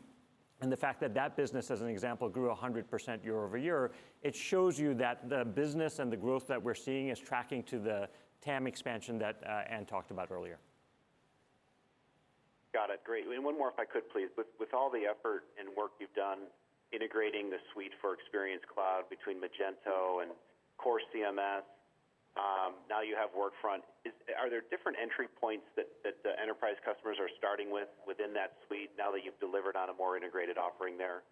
and the fact that that business, as an example, grew 100% year-over-year, it shows you that the business and the growth that we're seeing is tracking to the TAM expansion that Ann talked about earlier. Got it. Great. One more if I could, please. With all the effort and work you've done integrating the suite for Experience Cloud between Magento and Core CMS, now you have Workfront. Are there different entry points that the enterprise customers are starting with within that suite now that you've delivered on a more integrated offering there?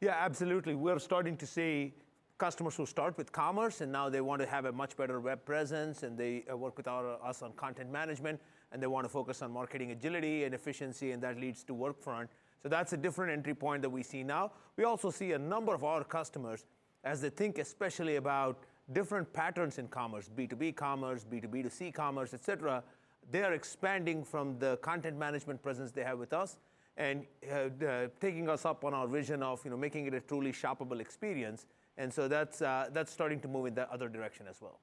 Yeah, absolutely. We're starting to see customers who start with commerce, and now they want to have a much better web presence, and they work with us on content management, and they want to focus on marketing agility and efficiency, and that leads to Workfront. That's a different entry point that we see now. We also see a number of our customers as they think especially about different patterns in commerce, B2B commerce, B2B2C commerce, et cetera. They are expanding from the content management presence they have with us and taking us up on our vision of, you know, making it a truly shoppable experience. That's starting to move in the other direction as well.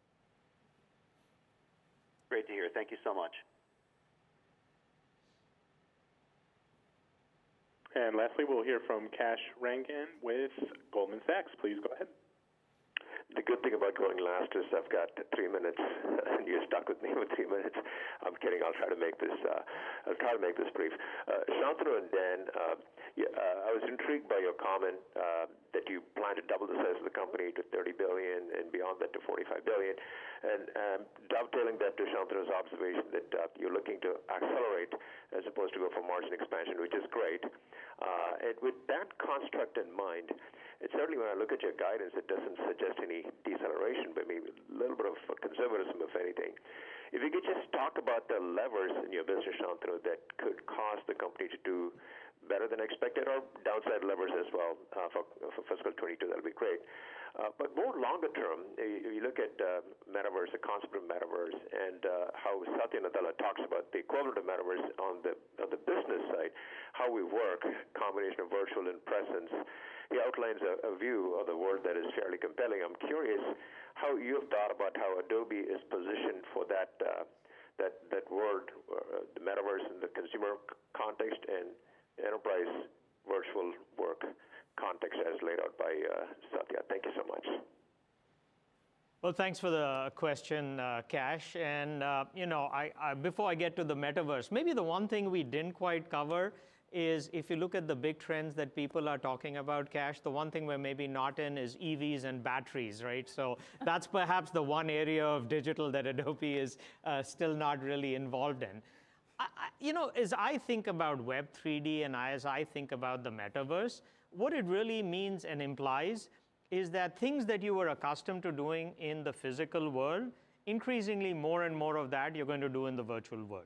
Great to hear. Thank you so much. Lastly, we'll hear from Kash Rangan with Goldman Sachs. Please go ahead. The good thing about going last is I've got three minutes and you're stuck with me for three minutes. I'm kidding. I'll try to make this brief. Shantanu and Dan, I was intrigued by your comment that you plan to double the size of the company to $30 billion and beyond that to $45 billion. Dovetailing that to Shantanu's observation that you're looking to accelerate as opposed to go for margin expansion, which is great. With that construct in mind, and certainly when I look at your guidance, it doesn't suggest any deceleration, but maybe a little bit of conservatism, if anything. If you could just talk about the levers in your business, Shantanu, that could cause the company to do better than expected or downside levers as well, for fiscal 2022, that'd be great. But more longer term, if you look at metaverse, the concept of metaverse, and how Satya Nadella talks about the equivalent of metaverse on the business side, how we work, combination of virtual and presence. He outlines a view of the world that is fairly compelling. I'm curious how you've thought about how Adobe is positioned for that world, the metaverse in the consumer context and enterprise virtual work context as laid out by Satya. Thank you so much. Well, thanks for the question, Kash. You know, before I get to the metaverse, maybe the one thing we didn't quite cover is if you look at the big trends that people are talking about, Kash, the one thing we're maybe not in is EVs and batteries, right? That's perhaps the one area of digital that Adobe is still not really involved in. You know, as I think about Web3 and as I think about the metaverse, what it really means and implies is that things that you were accustomed to doing in the physical world, increasingly more and more of that you're going to do in the virtual world.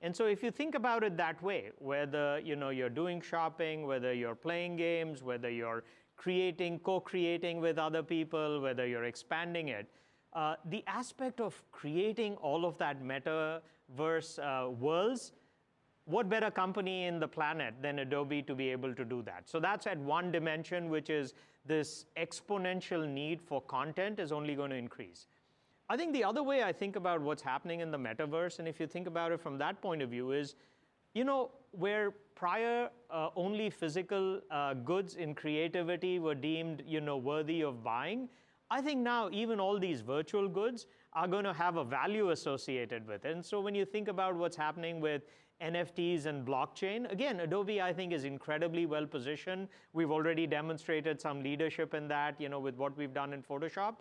If you think about it that way, whether, you know, you're doing shopping, whether you're playing games, whether you're creating, co-creating with other people, whether you're expanding it, the aspect of creating all of that metaverse worlds, what better company in the planet than Adobe to be able to do that? That's at one dimension, which is this exponential need for content is only going to increase. I think the other way I think about what's happening in the metaverse, and if you think about it from that point of view, is, you know, where prior, only physical goods in creativity were deemed, you know, worthy of buying, I think now even all these virtual goods are going to have a value associated with it. When you think about what's happening with NFTs and blockchain, again, Adobe, I think, is incredibly well-positioned. We've already demonstrated some leadership in that, you know, with what we've done in Photoshop.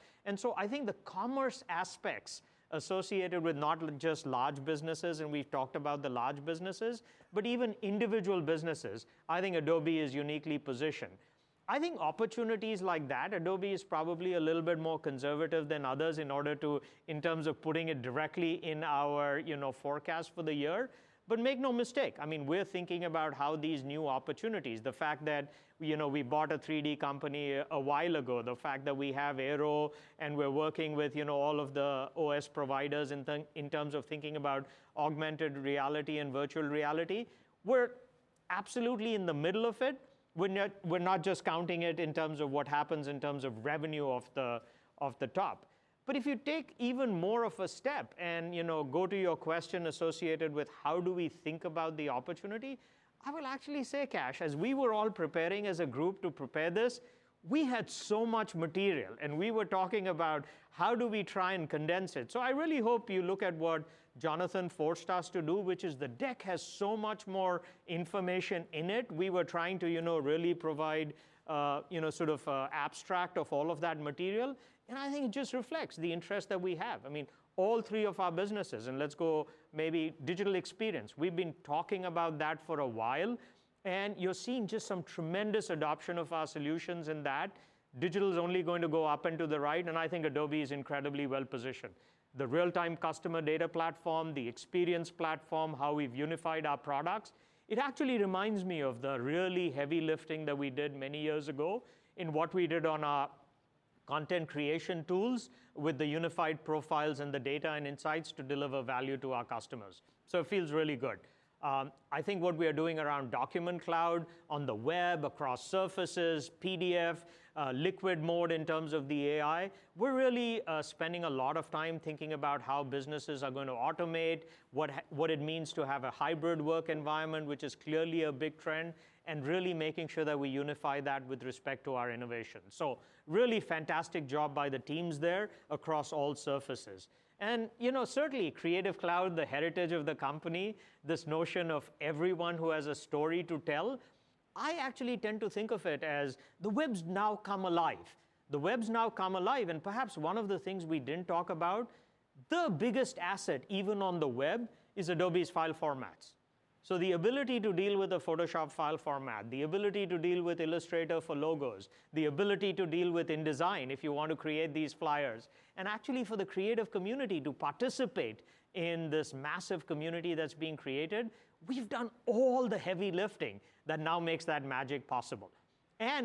I think the commerce aspects associated with not just large businesses, and we've talked about the large businesses, but even individual businesses, I think Adobe is uniquely positioned. I think opportunities like that, Adobe is probably a little bit more conservative than others in terms of putting it directly in our, you know, forecast for the year. Make no mistake, I mean, we're thinking about how these new opportunities, the fact that, you know, we bought a 3D company a while ago, the fact that we have Aero and we're working with, you know, all of the OS providers in terms of thinking about augmented reality and virtual reality, we're absolutely in the middle of it. We're not just counting it in terms of what happens in terms of revenue off the top. If you take even more of a step and, you know, go to your question associated with how do we think about the opportunity, I will actually say, Kash, as we were all preparing as a group to prepare this, we had so much material, and we were talking about how do we try and condense it. I really hope you look at what Jonathan forced us to do, which is the deck has so much more information in it. We were trying to, you know, really provide, you know, sort of, abstract of all of that material. I think it just reflects the interest that we have. I mean, all three of our businesses, and let's go maybe Digital Experience. We've been talking about that for a while, and you're seeing just some tremendous adoption of our solutions in that. Digital is only going to go up and to the right, and I think Adobe is incredibly well-positioned. The Real-Time Customer Data Platform, the Experience Platform, how we've unified our products, it actually reminds me of the really heavy lifting that we did many years ago in what we did on our content creation tools with the unified profiles and the data and insights to deliver value to our customers. It feels really good. I think what we are doing around Document Cloud, on the web, across surfaces, PDF, Liquid Mode in terms of the AI, we're really spending a lot of time thinking about how businesses are going to automate, what it means to have a hybrid work environment, which is clearly a big trend, and really making sure that we unify that with respect to our innovation. Really fantastic job by the teams there across all surfaces. You know, certainly Creative Cloud, the heritage of the company, this notion of everyone who has a story to tell, I actually tend to think of it as the web's now come alive. The web's now come alive, and perhaps one of the things we didn't talk about, the biggest asset, even on the web, is Adobe's file formats. The ability to deal with a Photoshop file format, the ability to deal with Illustrator for logos, the ability to deal with InDesign if you want to create these flyers, and actually for the creative community to participate in this massive community that's being created, we've done all the heavy lifting that now makes that magic possible.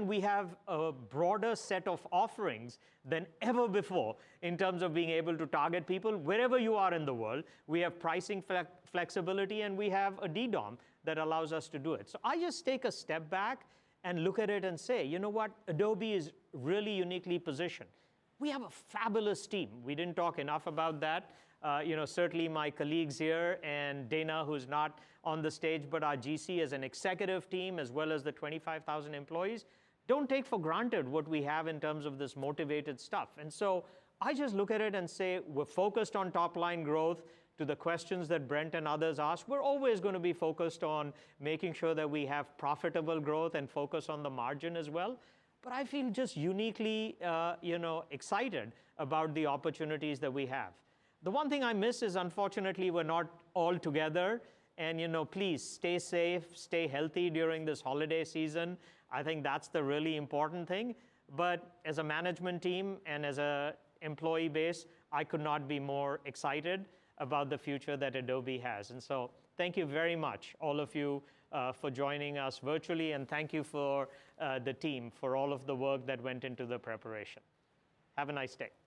We have a broader set of offerings than ever before in terms of being able to target people wherever you are in the world. We have pricing flexibility, and we have a DDOM that allows us to do it. I just take a step back and look at it and say, "You know what? Adobe is really uniquely positioned." We have a fabulous team. We didn't talk enough about that. You know, certainly my colleagues here and Dana, who's not on the stage, but our GC as an executive team, as well as the 25,000 employees, don't take for granted what we have in terms of this motivated stuff. I just look at it and say, we're focused on top-line growth to the questions that Brent and others ask. We're always going to be focused on making sure that we have profitable growth and focus on the margin as well. I feel just uniquely, you know, excited about the opportunities that we have. The one thing I miss is unfortunately we're not all together and, you know, please stay safe, stay healthy during this holiday season. I think that's the really important thing. As a management team and as a employee base, I could not be more excited about the future that Adobe has. Thank you very much, all of you, for joining us virtually, and thank you for the team for all of the work that went into the preparation. Have a nice day.